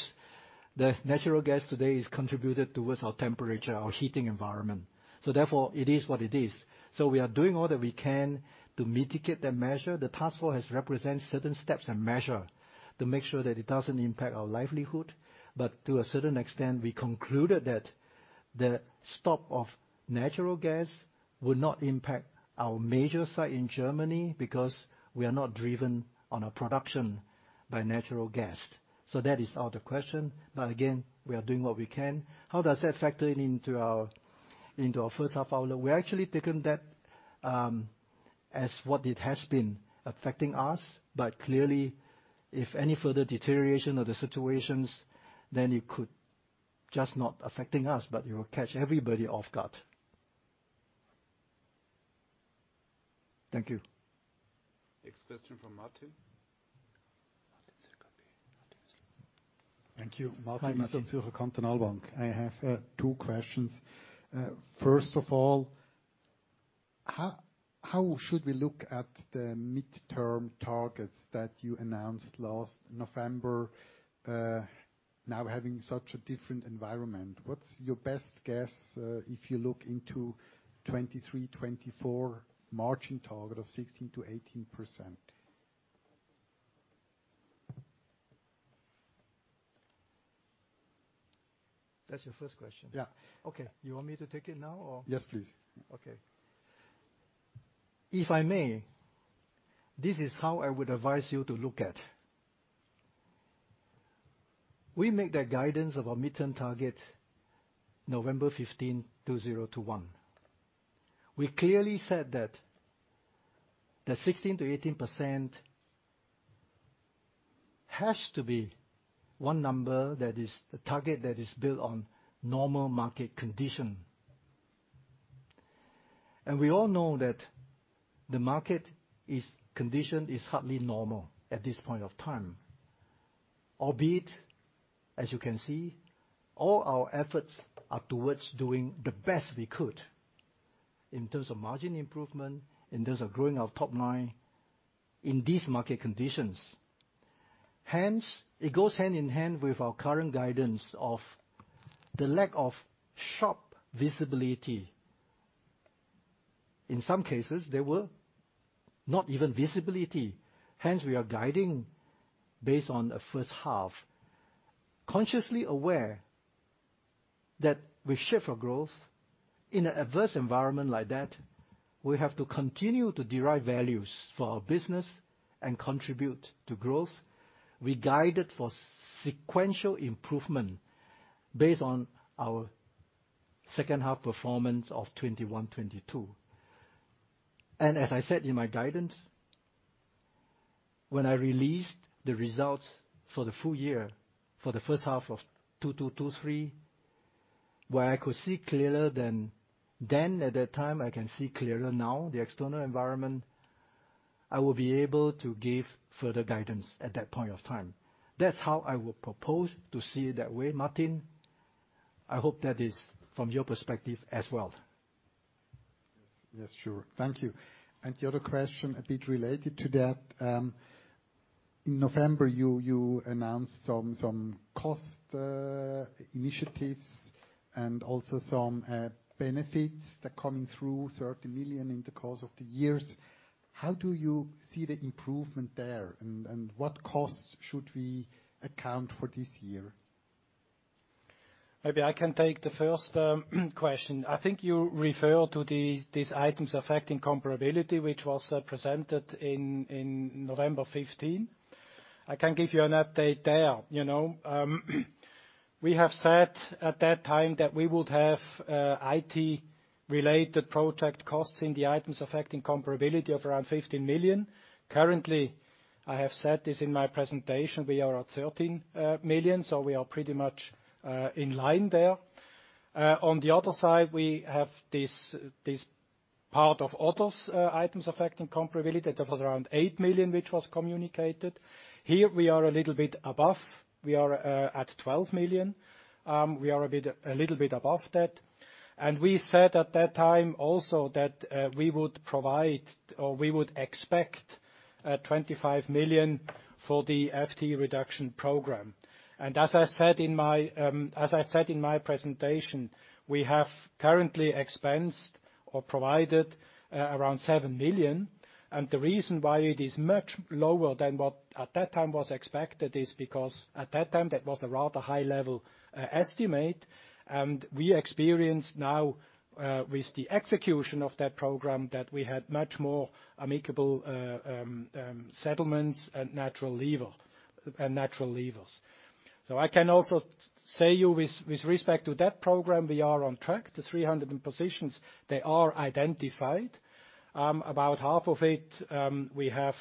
the natural gas today is contributed towards our temperature, our heating environment. It is what it is. We are doing all that we can to mitigate that measure. The task force has represented certain steps and measures to make sure that it doesn't impact our livelihood, but to a certain extent, we concluded that the stop of natural gas will not impact our major site in Germany because we are not driven on a production by natural gas. That is out of the question. Again, we are doing what we can. How does that factor into our first half outlook? We're actually taken that as what it has been affecting us. Clearly, if any further deterioration of the situations, then it could just not affecting us, but it will catch everybody off guard. Thank you. Next question from Martin. Thank you. Martin Hüsler Zürcher Kantonalbank. I have two questions. First of all, how should we look at the midterm targets that you announced last November, now having such a different environment? What's your best guess, if you look into 2023, 2024 margin target of 16%-18%? That's your first question? Yeah. Okay. You want me to take it now or Yes, please. Okay. If I may, this is how I would advise you to look at. We make that guidance of our midterm target November 15, 2021. We clearly said that the 16%-18% has to be one number that is the target that is built on normal market condition. We all know that the market condition is hardly normal at this point of time. Albeit, as you can see, all our efforts are towards doing the best we could in terms of margin improvement, in terms of growing our top line in these market conditions. Hence, it goes hand in hand with our current guidance of the lack of sharp visibility. In some cases, there were not even visibility. Hence, we are guiding based on a first half. Consciously aware that we shift our growth in an adverse environment like that, we have to continue to deliver value for our business and contribute to growth. We guided for sequential improvement based on our second half performance of 2021, 2022. As I said in my guidance, when I released the results for the full year, for the first half of 2023, where I could see clearer than at that time, I can see clearer now the external environment, I will be able to give further guidance at that point of time. That's how I would propose to see it that way, Martin. I hope that is from your perspective as well. Yes. Sure. Thank you. The other question a bit related to that, in November, you announced some cost initiatives and also some benefits that coming through 30 million in the course of the years. How do you see the improvement there? What costs should we account for this year? Maybe I can take the first question. I think you refer to these items affecting comparability, which was presented in November 2015. I can give you an update there. You know, we have said at that time that we would have IT-related project costs in the items affecting comparability of around 15 million. Currently, I have said this in my presentation, we are at 13 million, so we are pretty much in line there. On the other side, we have this part of others, items affecting comparability. That was around 8 million, which was communicated. Here we are a little bit above. We are at 12 million. We are a bit, a little bit above that. We said at that time also that we would provide or we would expect 25 million for the FTE reduction program. As I said in my presentation, we have currently expensed or provided around 7 million. The reason why it is much lower than what at that time was expected is because at that time, that was a rather high level estimate. We experienced now with the execution of that program that we had much more amicable settlements and natural levels. I can also say to you with respect to that program, we are on track. The 300 positions, they are identified. About half of it, we have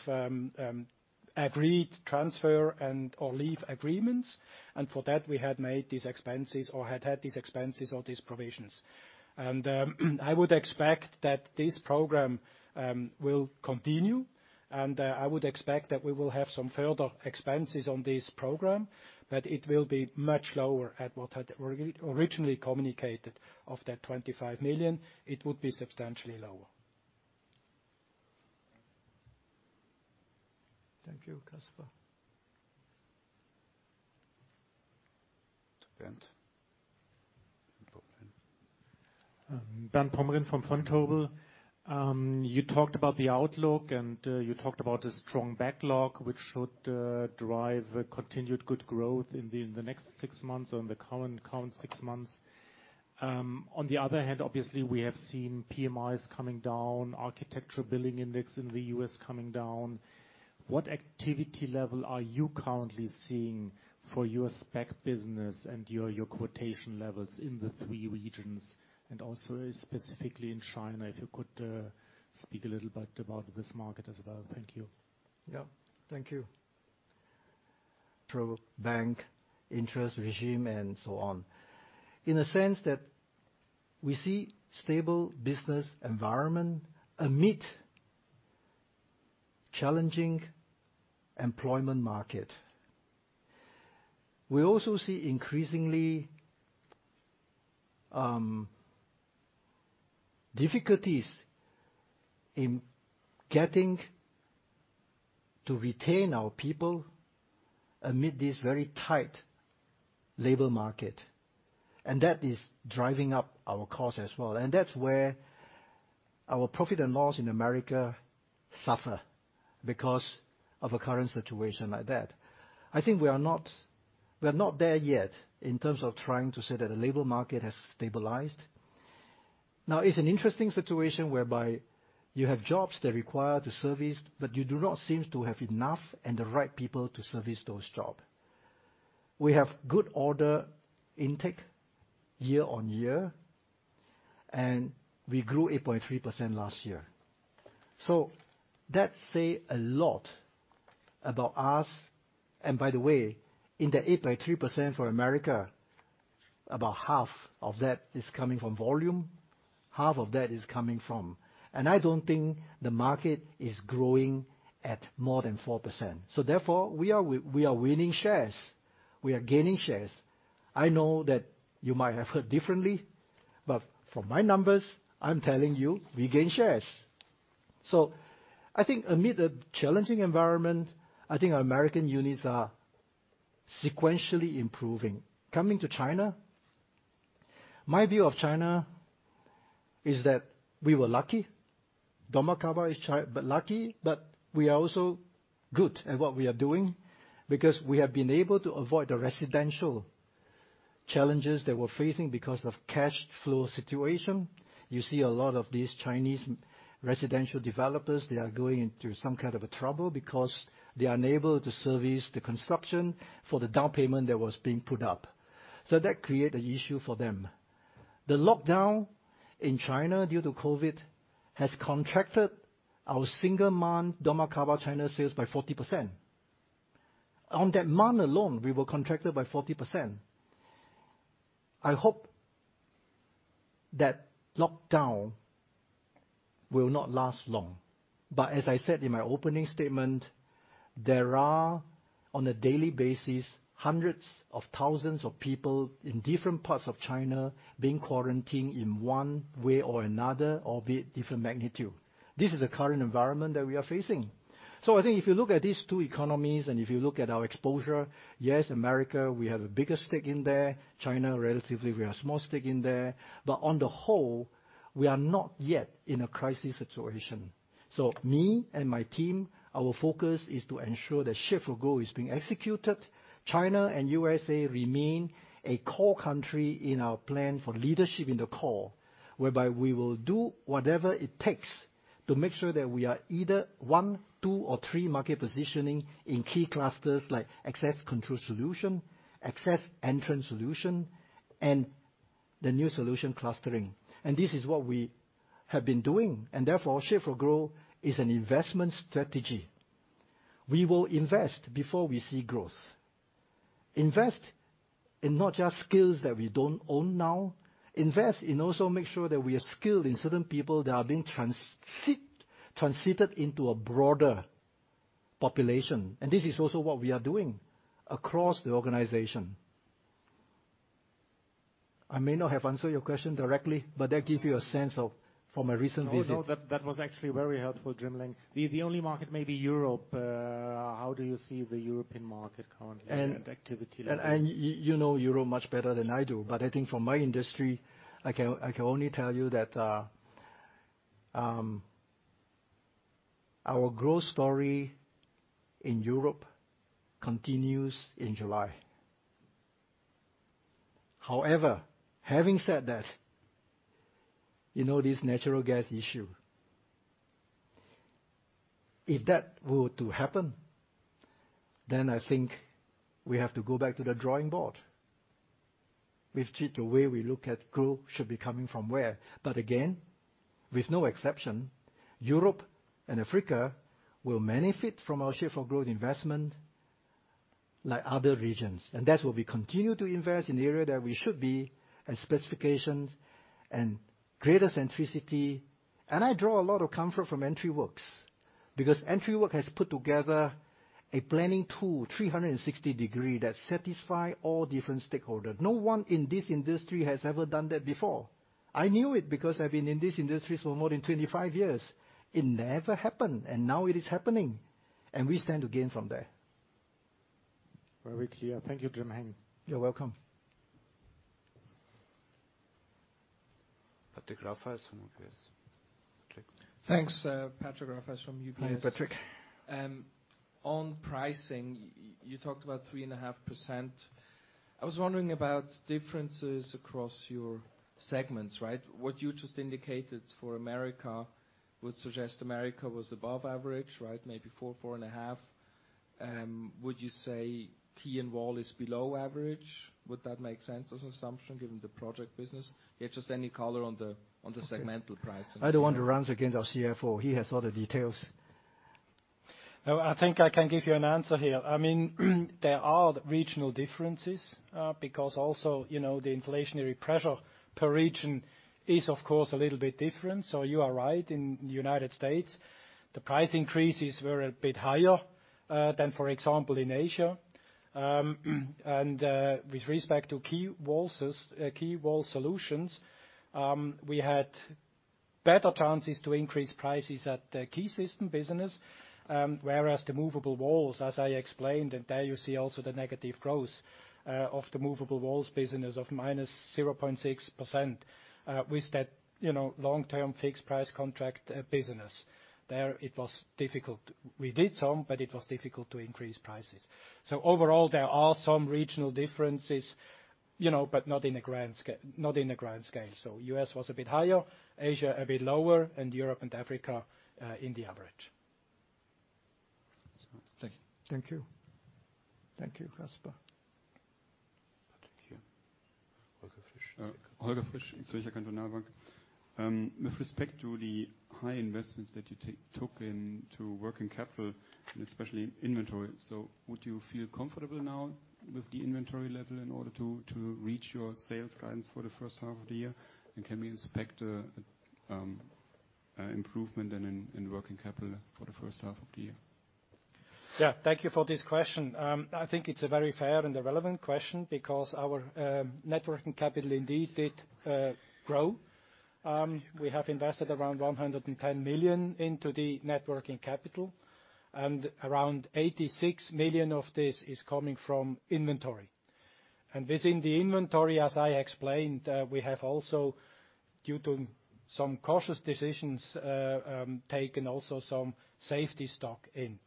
agreed transfer and/or leave agreements. For that, we had made these expenses or had these expenses or these provisions. I would expect that this program will continue. I would expect that we will have some further expenses on this program, but it will be much lower at what had originally communicated of that 25 million. It would be substantially lower. Thank you, Kaspar.To Bernd. Bernd Pomrehn from Vontobel. You talked about the outlook and you talked about the strong backlog, which should drive continued good growth in the next six months or in the current six months. On the other hand, obviously, we have seen PMIs coming down, Architecture Billings Index in the U.S. coming down. What activity level are you currently seeing for your spec business and your quotation levels in the three regions and also specifically in China? If you could speak a little bit about this market as well. Thank you. Yeah. Thank you. Low interest rate regime and so on. In a sense that we see stable business environment amid challenging employment market. We also see increasingly difficulties in getting and retaining our people amid this very tight labor market. That is driving up our costs as well. That's where our P&L in America suffer, because of a current situation like that. I think we are not there yet in terms of trying to say that the labor market has stabilized. Now, it's an interesting situation whereby you have jobs that require the service, but you do not seem to have enough and the right people to service those job. We have good order intake year-on-year, and we grew 8.3% last year. That say a lot about us. By the way, in the 8.3% for America, about half of that is coming from volume, half of that is coming from. I don't think the market is growing at more than 4%. Therefore, we are winning shares. We are gaining shares. I know that you might have heard differently, but from my numbers, I'm telling you, we gain shares. I think amid a challenging environment, I think our American units are sequentially improving. Coming to China, my view of China is that we were lucky. dormakaba is China but lucky, but we are also good at what we are doing because we have been able to avoid the residential challenges they were facing because of cash flow situation. You see a lot of these Chinese residential developers, they are going into some kind of a trouble because they are unable to service the construction for the down payment that was being put up. That create a issue for them. The lockdown in China due to COVID has contracted our single month dormakaba China sales by 40%. On that month alone, we were contracted by 40%. I hope that lockdown will not last long. As I said in my opening statement, there are, on a daily basis, hundreds of thousands of people in different parts of China being quarantined in one way or another, albeit different magnitude. This is the current environment that we are facing. I think if you look at these two economies, and if you look at our exposure, yes, America, we have a bigger stake in there. China, relatively, we have small stake in there. On the whole, we are not yet in a crisis situation. Me and my team, our focus is to ensure that Shape4Growth is being executed. China and USA remain a core country in our plan for leadership in the core, whereby we will do whatever it takes to make sure that we are either one, two, or three market positioning in key clusters like access control solution, access entrance solution, and the new solution clustering. Therefore, Shape4Growth is an investment strategy. We will invest before we see growth. Invest in not just skills that we don't own now, invest in also make sure that we are skilled in certain people that are being transited into a broader population. This is also what we are doing across the organization. I may not have answered your question directly, but that gives you a sense of from a recent visit. No, that was actually very helpful, Jim-Heng. The only market may be Europe. How do you see the European market currently and activity level? You know Europe much better than I do. But I think from my industry, I can only tell you that our growth story in Europe continues in July. However, having said that, you know this natural gas issue. If that were to happen, then I think we have to go back to the drawing board. Rethink the way we look at growth should be coming from where. But again, with no exception, Europe and Africa will benefit from our Shape4Growth investment like other regions. That's where we continue to invest in the area that we should be in specifications and customer centricity. I draw a lot of comfort from EntriWorX. Because EntriWorX has put together a planning tool, 360-degree, that satisfies all different stakeholders. No one in this industry has ever done that before. I knew it because I've been in this industry for more than 25 years. It never happened, and now it is happening. We stand to gain from that. Very clear. Thank you, Jim-Heng. You're welcome. Patrick Rafaisz from UBS. Patrick. Thanks, Patrick Rafaisz from UBS. Hi, Patrick. On pricing, you talked about 3.5%. I was wondering about differences across your segments, right? What you just indicated for America would suggest America was above average, right? Maybe 4.5. Would you say Key & Wall is below average? Would that make sense as an assumption given the project business? Yeah, just any color on the segmental pricing. I don't want to run against our CFO. He has all the details. No, I think I can give you an answer here. I mean, there are regional differences, because also, you know, the inflationary pressure per region is of course a little bit different. You are right. In United States, the price increases were a bit higher than for example, in Asia. With respect to Key & Wall, Key & Wall solutions, we had better chances to increase prices at the Key system business. Whereas the Movable Walls, as I explained, and there you see also the negative growth of the Movable Walls business of -0.6%, with that, you know, long-term fixed price contract business. There it was difficult. We did some, but it was difficult to increase prices. Overall, there are some regional differences, you know, but not in a grand scale. U.S. was a bit higher, Asia a bit lower, and Europe and Africa in the average. Thank you. Thank you. Thank you, Kaspar. Patrick here. Holger Fisch. Holger Fisch, Zürcher Kantonalbank. With respect to the high investments that you took into working capital and especially inventory, would you feel comfortable now with the inventory level in order to reach your sales guidance for the first half of the year? Can we expect an improvement in working capital for the first half of the year? Yeah. Thank you for this question. I think it's a very fair and a relevant question because our net working capital indeed did grow. We have invested around 110 million into the net working capital and around 86 million of this is coming from inventory. And within the inventory, as I explained, we have also due to some cautious decisions taken also some safety stock in.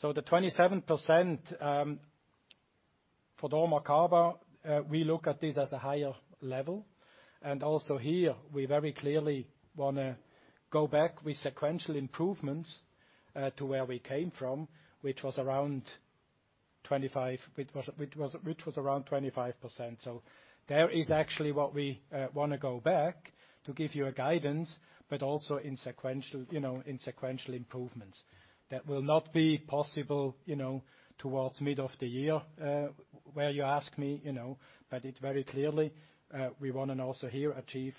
The 27%, for dormakaba, we look at this as a higher level, and also here we very clearly want to go back with sequential improvements to where we came from, which was around 25%. There is actually what we want to go back to give you a guidance, but also in sequential, you know, in sequential improvements. That will not be possible, you know, towards mid of the year, when you ask me, you know, but it's very clear, we want and also here achieve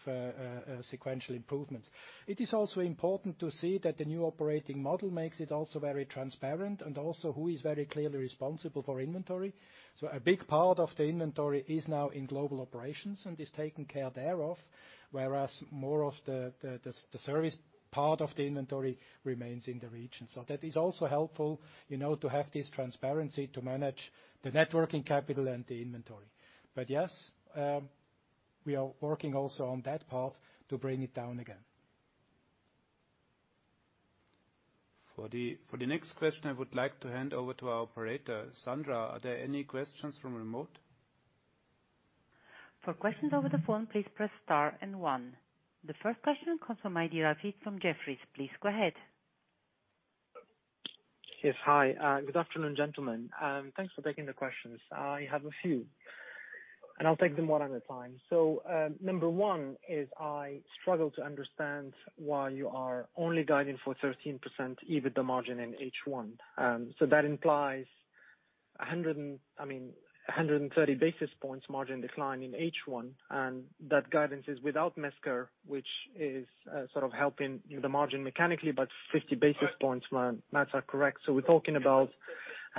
sequential improvements. It is also important to see that the new operating model makes it also very transparent and also who is very clearly responsible for inventory. A big part of the inventory is now in global operations and is taken care thereof, whereas more of the service part of the inventory remains in the region. That is also helpful, you know, to have this transparency to manage the net working capital and the inventory. Yes, we are working also on that part to bring it down again. For the next question, I would like to hand over to our operator. Sandra, are there any questions from remote? For questions over the phone, please press star and one. The first question comes from Rizk Maidi from Jefferies. Please go ahead. Yes. Hi, good afternoon, gentlemen. Thanks for taking the questions. I have a few, and I'll take them one at a time. Number one is I struggle to understand why you are only guiding for 13% EBITDA margin in H1. That implies 130 basis points margin decline in H1, and that guidance is without Mesker, which is sort of helping the margin mechanically but 50 basis points, man, if that's correct. We're talking about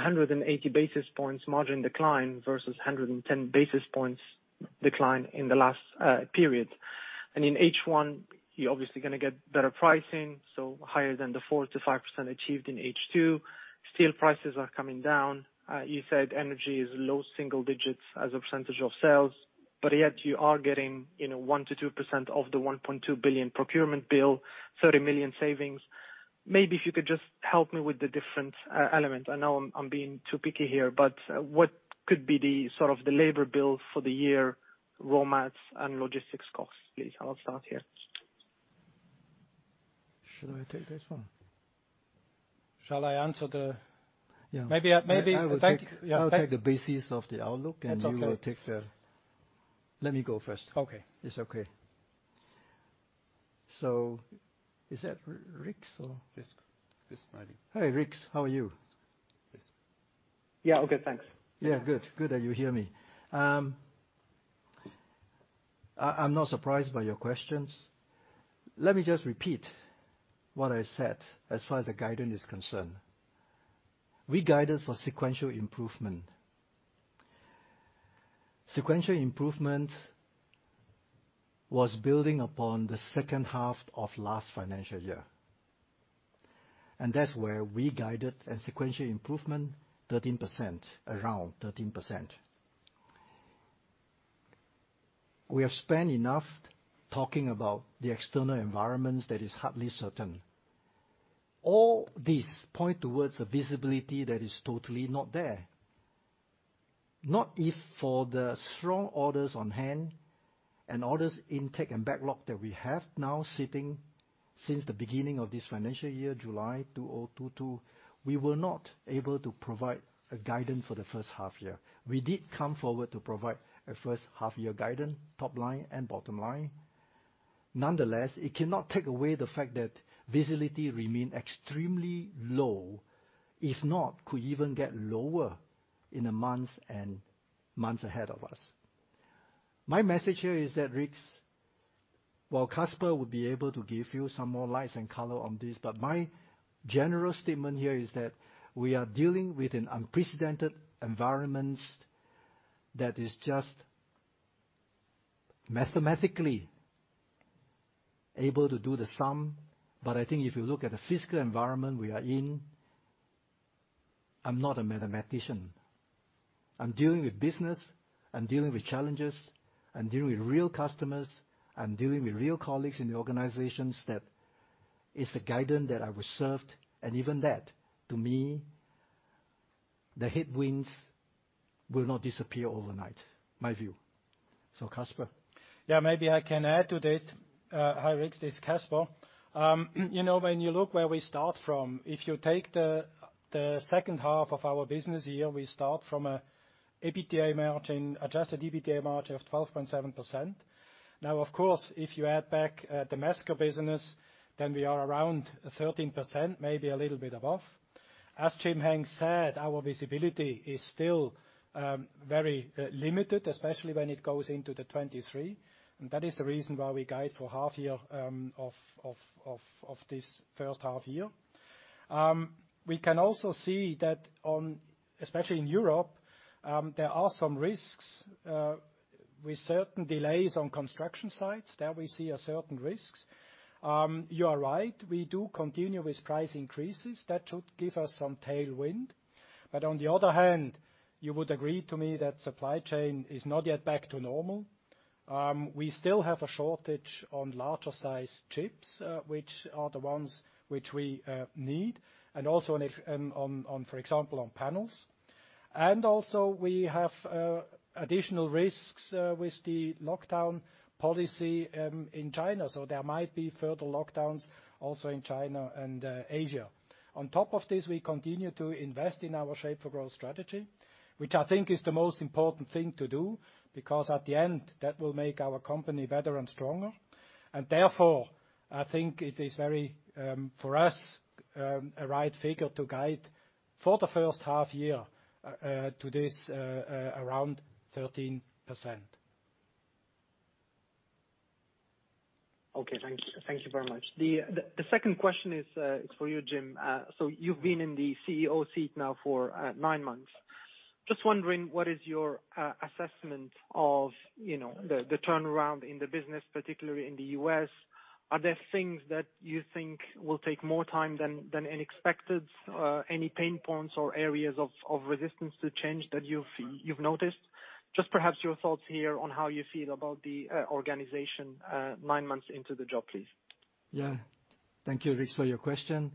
180 basis points margin decline versus 110 basis points decline in the last period. In H1, you're obviously gonna get better pricing, so higher than the 4%-5% achieved in H2. Steel prices are coming down. You said energy is low single digits% as a percentage of sales, but yet you are getting 1%-2% of the 1.2 billion procurement bill, 30 million savings. Maybe if you could just help me with the different elements. I know I'm being too picky here, but what could be sort of the labor bill for the year, raw materials and logistics costs, please? I'll start here. Should I take this one? Shall I answer the? Yeah. Maybe. I will take Yeah. I'll take the basis of the outlook. That's okay. Let me go first. Okay. It's okay. Is that Rizk or? Rizk. Rizk Maidi. Hi, Rizk. How are you? Yeah. Okay, thanks. Yeah, good. Good that you hear me. I'm not surprised by your questions. Let me just repeat what I said as far as the guidance is concerned. We guided for sequential improvement. Sequential improvement was building upon the second half of last financial year, and that's where we guided a sequential improvement 13%, around 13%. We have spent enough talking about the external environments that is hardly certain. All this point towards the visibility that is totally not there. Not if not for the strong orders on hand and order intake and backlog that we have now sitting since the beginning of this financial year, July 2022, we were not able to provide a guidance for the first half year. We did come forward to provide a first half year guidance, top line and bottom line. Nonetheless, it cannot take away the fact that visibility remains extremely low, if not, could even get lower in the months and months ahead of us. My message here is that, Rizk, while Kaspar will be able to give you some more light and color on this, but my general statement here is that we are dealing with an unprecedented environment that is just mathematically able to do the sum, but I think if you look at the physical environment we are in, I'm not a mathematician. I'm dealing with business, I'm dealing with challenges, I'm dealing with real customers, I'm dealing with real colleagues in the organizations that it's a guidance that I reserved, and even that, to me, the headwinds will not disappear overnight, my view. Kaspar. Yeah, maybe I can add to that. Hi Rizk, this is Kaspar. You know, when you look where we start from, if you take the second half of our business year, we start from an Adjusted EBITDA margin of 12.7%. Now, of course, if you add back the Mesker business, then we are around 13%, maybe a little bit above. As Jim-Heng said, our visibility is still very limited, especially when it goes into 2023. That is the reason why we guide for half year of this first half year. We can also see that, especially in Europe, there are some risks with certain delays on construction sites. There we see certain risks. You are right, we do continue with price increases. That should give us some tailwind. On the other hand, you would agree to me that supply chain is not yet back to normal. We still have a shortage on larger sized chips, which are the ones which we need, and also, for example, on panels. Also we have additional risks with the lockdown policy in China. There might be further lockdowns also in China and Asia. On top of this, we continue to invest in our Shape4Growth strategy, which I think is the most important thing to do, because at the end, that will make our company better and stronger. Therefore, I think it is very, for us, a right figure to guide for the first half year, to this, around 13%. Okay. Thank you. Thank you very much. The second question is for you, Jim. So you've been in the CEO seat now for nine months. Just wondering, what is your assessment of, you know, the turnaround in the business, particularly in the U.S.? Are there things that you think will take more time than expected? Any pain points or areas of resistance to change that you've noticed? Just perhaps your thoughts here on how you feel about the organization nine months into the job, please. Yeah. Thank you, Rick, for your question.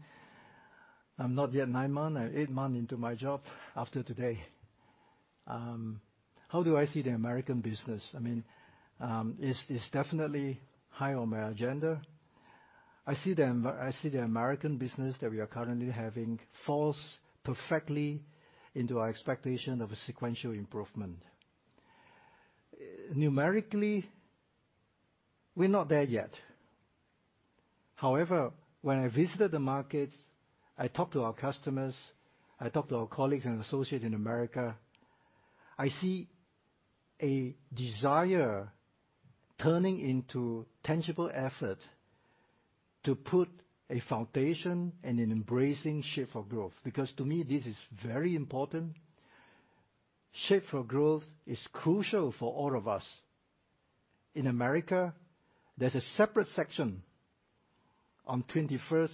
I'm not yet nine months. I'm eight months into my job after today. How do I see the American business? I mean, it's definitely high on my agenda. I see the American business that we are currently having falls perfectly into our expectation of a sequential improvement. Numerically, we're not there yet. However, when I visited the markets, I talked to our customers, I talked to our colleagues and associates in America. I see a desire turning into tangible effort to put a foundation and an embracing Shape4Growth, because to me, this is very important. Shape4Growth is crucial for all of us. In America, there's a separate section on 21st,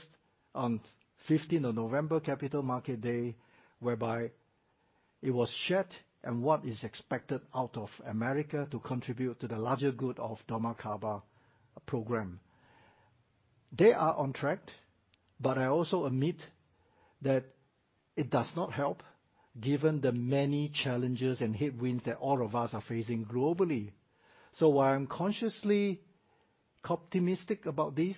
on November 15th, capital market day, whereby it was shared and what is expected out of America to contribute to the larger good of dormakaba program. They are on track, but I also admit that it does not help given the many challenges and headwinds that all of us are facing globally. While I'm consciously optimistic about this,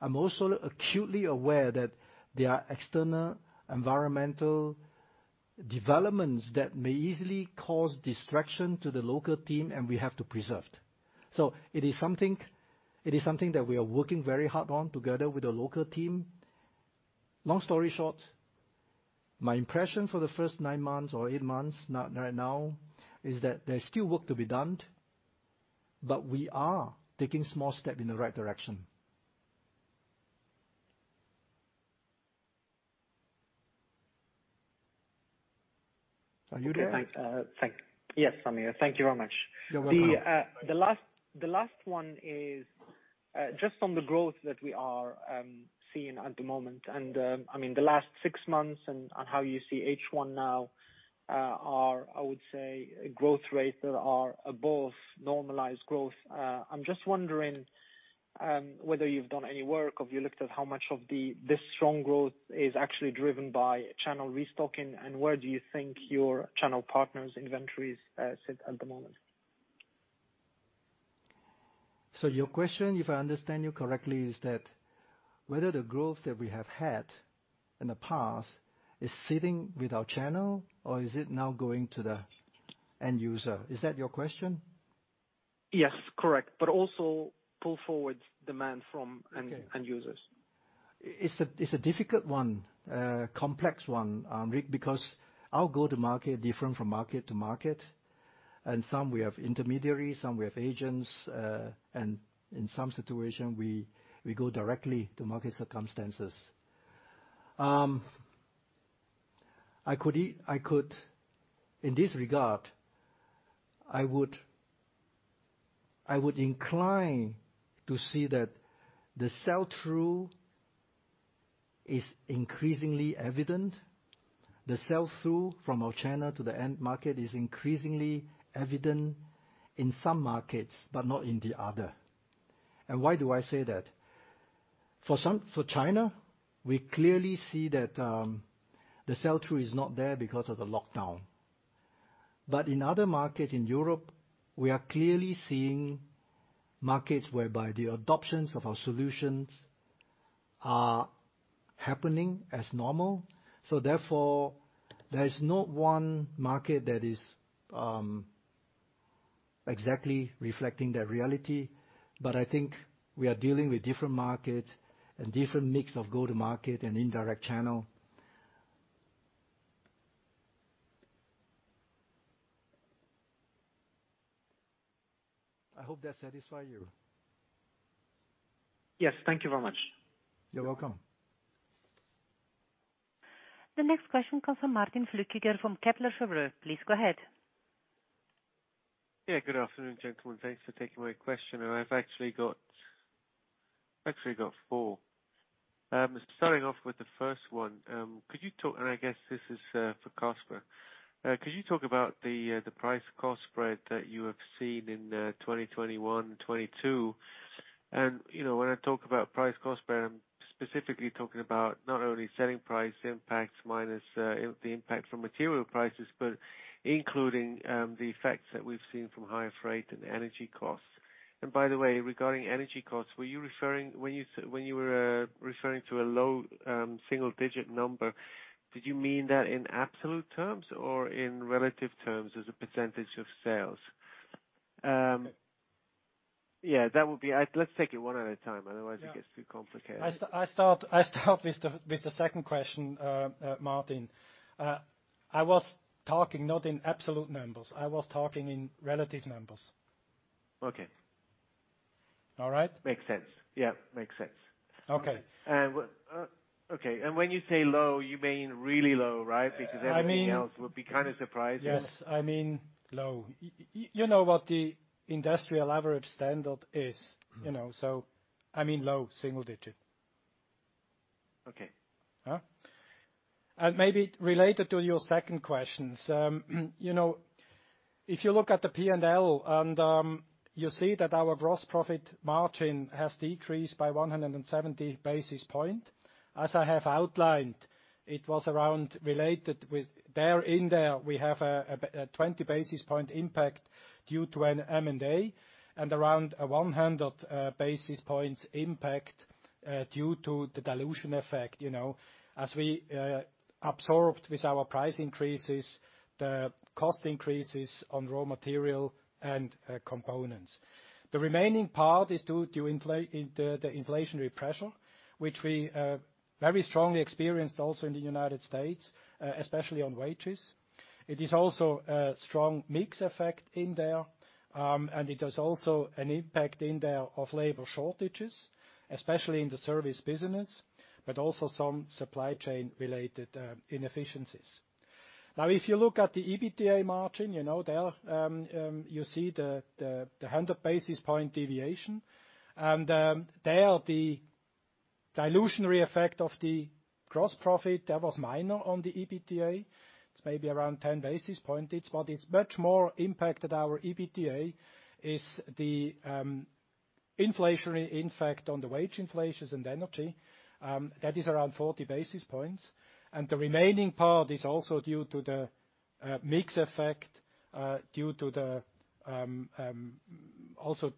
I'm also acutely aware that there are external environmental developments that may easily cause distraction to the local team, and we have to persevere. It is something that we are working very hard on together with the local team. Long story short, my impression for the first nine months or eight months now, right now, is that there's still work to be done, but we are taking small step in the right direction. Are you there? Okay. Yes, I'm here. Thank you very much. You're welcome. The last one is just on the growth that we are seeing at the moment, and I mean, the last six months and on how you see H1 now are, I would say, growth rates that are above normalized growth. I'm just wondering whether you've done any work or if you looked at how much of this strong growth is actually driven by channel restocking and where do you think your channel partners' inventories sit at the moment? Your question, if I understand you correctly, is that whether the growth that we have had in the past is sitting with our channel or is it now going to the end user? Is that your question? Yes, correct. Also pull forward demand from end users. It's a difficult one, complex one, Rick, because our go-to-market different from market to market, and some we have intermediaries, some we have agents, and in some situation, we go directly to market circumstances. In this regard, I would incline to see that the sell-through is increasingly evident. The sell-through from our channel to the end market is increasingly evident in some markets, but not in the other. Why do I say that? For China, we clearly see that the sell-through is not there because of the lockdown. In other markets in Europe, we are clearly seeing markets whereby the adoptions of our solutions are happening as normal. Therefore, there is no one market that is exactly reflecting that reality. I think we are dealing with different markets and different mix of go-to-market and indirect channel. I hope that satisfy you. Yes. Thank you very much. You're welcome. The next question comes from Martin Flückiger from Kepler Cheuvreux, please go ahead. Yeah. Good afternoon, gentlemen. Thanks for taking my question. I've actually got four. Starting off with the first one, could you talk, and I guess this is for Kaspar. Could you talk about the price cost spread that you have seen in 2021 and 2022? You know, when I talk about price cost spread, I'm specifically talking about not only selling price impacts minus the impact from material prices, but including the effects that we've seen from higher freight and energy costs. By the way, regarding energy costs, were you referring, when you were referring to a low single digit number, did you mean that in absolute terms or in relative terms as a percentage of sales? Yeah, that would be. Let's take it one at a time, otherwise it gets too complicated. I start with the second question, Martin. I was talking not in absolute numbers. I was talking in relative numbers. Okay. All right? Makes sense. Yeah, makes sense. Okay. When you say low, you mean really low, right? I mean. Because anything else would be kind of surprising. Yes, I mean low. You know what the industry average standard is, you know? I mean low single digit. Okay. Maybe related to your second questions. You know, if you look at the P&L and you see that our gross profit margin has decreased by 170 basis points. As I have outlined, it was around related with there. In there, we have a 20 basis point impact due to an M&A and around a 100 basis points impact due to the dilution effect, you know. As we absorbed with our price increases, the cost increases on raw material and components. The remaining part is due to the inflationary pressure, which we very strongly experienced also in the United States, especially on wages. It is also a strong mix effect in there, and it is also an impact in there of labor shortages, especially in the service business, but also some supply chain related inefficiencies. Now, if you look at the EBITDA margin, you see the 100 basis point deviation, and there the dilutionary effect of the gross profit that was minor on the EBITDA. It's maybe around 10 basis points. What much more impacted our EBITDA is the inflationary effect on the wage inflation and energy. That is around 40 basis points. The remaining part is also due to the mix effect, due to also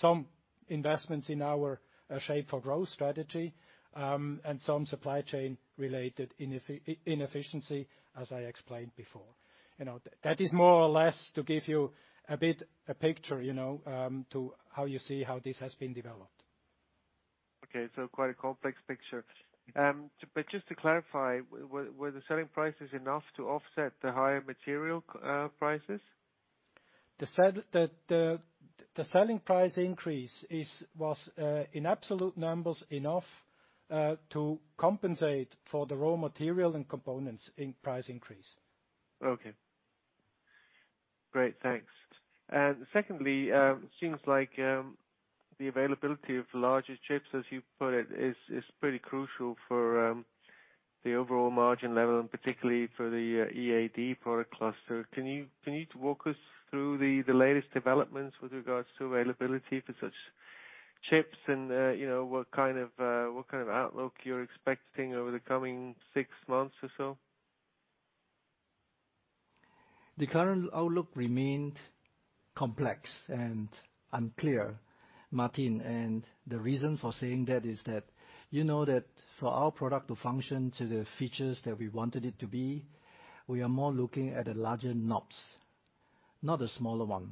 some investments in our Shape4Growth strategy, and some supply chain related inefficiency, as I explained before. You know, that is more or less to give you a bit a picture, you know, to how you see how this has been developed. Okay, quite a complex picture. To clarify, were the selling prices enough to offset the higher material prices? The selling price increase was, in absolute numbers, enough to compensate for the raw material and components input price increase. Okay. Great. Thanks. Secondly, seems like the availability of larger chips, as you put it, is pretty crucial for the overall margin level, and particularly for the EAD product cluster. Can you walk us through the latest developments with regards to availability for such chips and you know, what kind of outlook you're expecting over the coming six months or so? The current outlook remained complex and unclear, Martin. The reason for saying that is that you know that for our product to function to the features that we wanted it to be, we are more looking at the larger nodes, not the smaller one.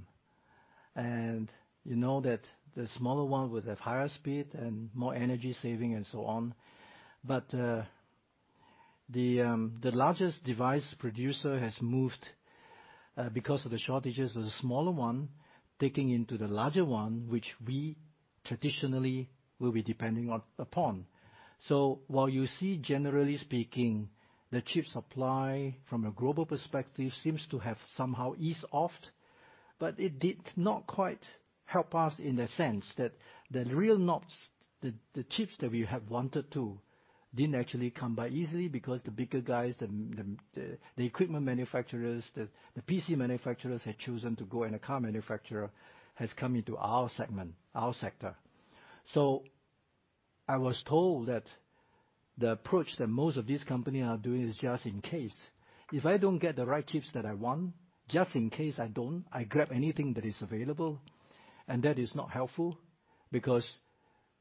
You know that the smaller one would have higher speed and more energy saving and so on. The largest device producer has moved because of the shortages of the smaller one, taking into the larger one, which we traditionally will be depending on. While you see, generally speaking, the chip supply from a global perspective seems to have somehow eased off, but it did not quite help us in the sense that the real ones, the chips that we have wanted to didn't actually come by easily because the bigger guys, the equipment manufacturers, the PC manufacturers had chosen to go, and the car manufacturer has come into our segment, our sector. I was told that the approach that most of these companies are doing is just in case. If I don't get the right chips that I want, I grab anything that is available, and that is not helpful because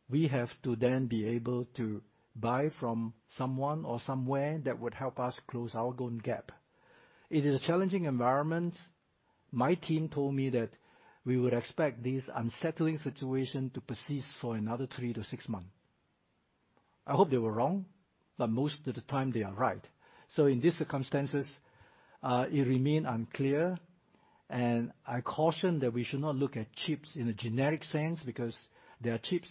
we have to then be able to buy from someone or somewhere that would help us close our own gap. It is a challenging environment. My team told me that we would expect this unsettling situation to persist for another three-six months. I hope they were wrong, but most of the time they are right. In these circumstances, it remain unclear, and I caution that we should not look at chips in a generic sense because they are chips,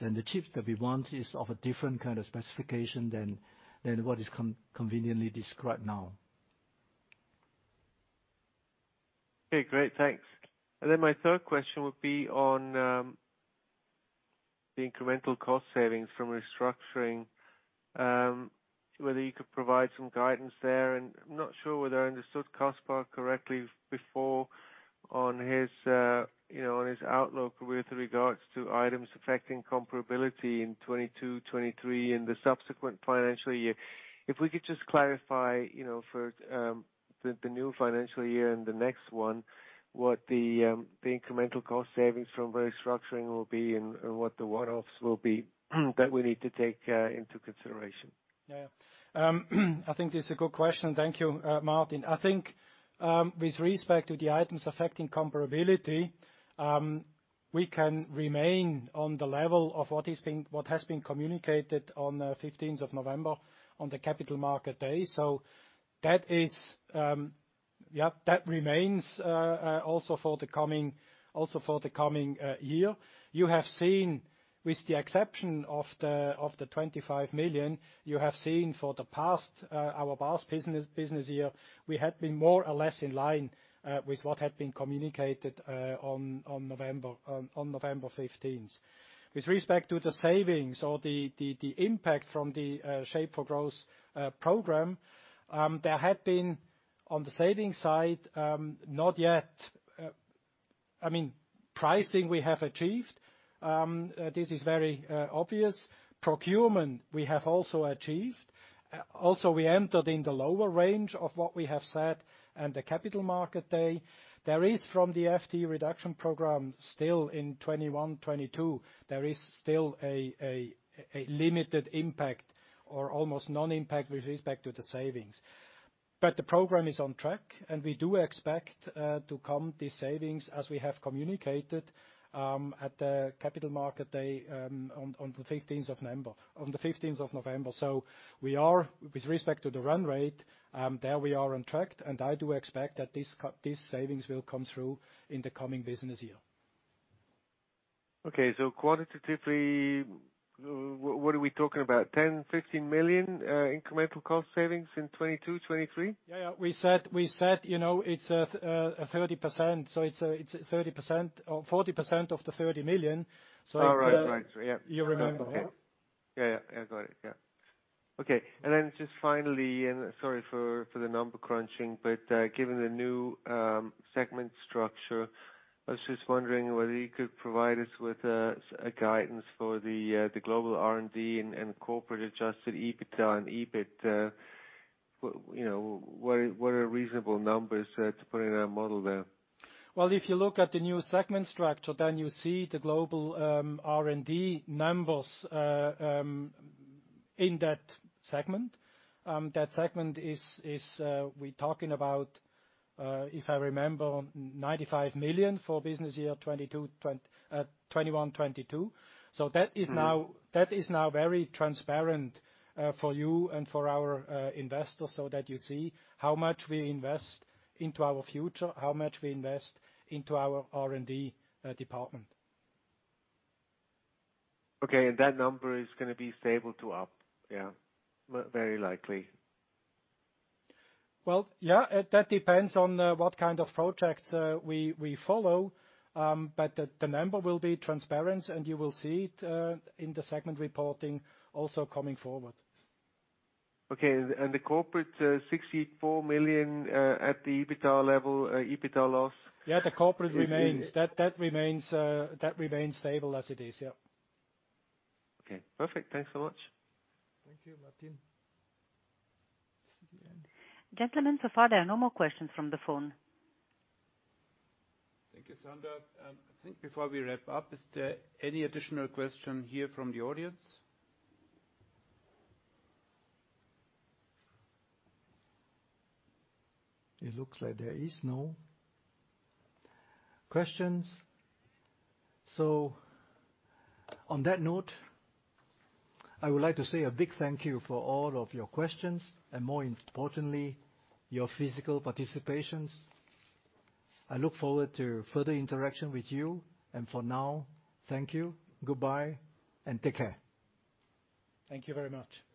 and the chips that we want is of a different kind of specification than what is conveniently described now. Okay, great. Thanks. My third question would be on the incremental cost savings from restructuring, whether you could provide some guidance there. I'm not sure whether I understood Kaspar correctly before on his, you know, outlook with regards to items affecting comparability in 2022, 2023 and the subsequent financial year. If we could just clarify, you know, for the new financial year and the next one, what the incremental cost savings from restructuring will be and what the one-offs will be that we need to take into consideration. Yeah. I think that's a good question. Thank you, Martin. I think with respect to the items affecting comparability, we can remain on the level of what has been communicated on November 15th on the Capital Markets Day. That is, yeah, that remains also for the coming year. You have seen, with the exception of the 25 million, you have seen for our past business year, we had been more or less in line with what had been communicated on November 15th. With respect to the savings or the impact from the Shape4Growth program, there had been, on the savings side, not yet. I mean, pricing we have achieved, this is very obvious. Procurement, we have also achieved. Also we entered in the lower range of what we have said at the Capital Markets Day. There is from the FTE reduction program still in 2021, 2022, there is still a limited impact or almost no impact with respect to the savings. The program is on track, and we do expect to count these savings as we have communicated at the Capital Markets Day on November 15th. We are, with respect to the run rate, there we are on track, and I do expect that these savings will come through in the coming business year. Okay. Quantitatively, what are we talking about? 10 million, 15 million incremental cost savings in 2022, 2023? Yeah. We said, you know, it's a 30%, so it's a 30% or 40% of the 30 million. Oh, right. Right. Yeah. You remember. Okay. Yeah. I got it. Yeah. Okay. Just finally, sorry for the number crunching, but given the new segment structure, I was just wondering whether you could provide us with a guidance for the global R&D and corporate-Adjusted EBITDA and EBIT. You know, what are reasonable numbers to put in our model there? Well, if you look at the new segment structure, then you see the global R&D numbers in that segment. That segment is we're talking about, if I remember, 95 million for business year 2021/2022. That is now very transparent for you and for our investors, so that you see how much we invest into our future, how much we invest into our R&D department. Okay, that number is gonna be stable to up? Yeah. Very likely. Well, yeah, that depends on what kind of projects we follow. The number will be transparent and you will see it in the segment reporting also coming forward. The corporate 64 million at the EBITDA level, EBITDA loss. Yeah, the corporate remains. That remains stable as it is. Yeah. Okay. Perfect. Thanks so much. Thank you, Martin. Gentlemen, so far there are no more questions from the phone. Thank you, Sandra. I think before we wrap up, is there any additional question here from the audience? It looks like there is no questions. On that note, I would like to say a big thank you for all of your questions, and more importantly, your physical participations. I look forward to further interaction with you. For now, thank you, goodbye, and take care. Thank you very much. Thank you.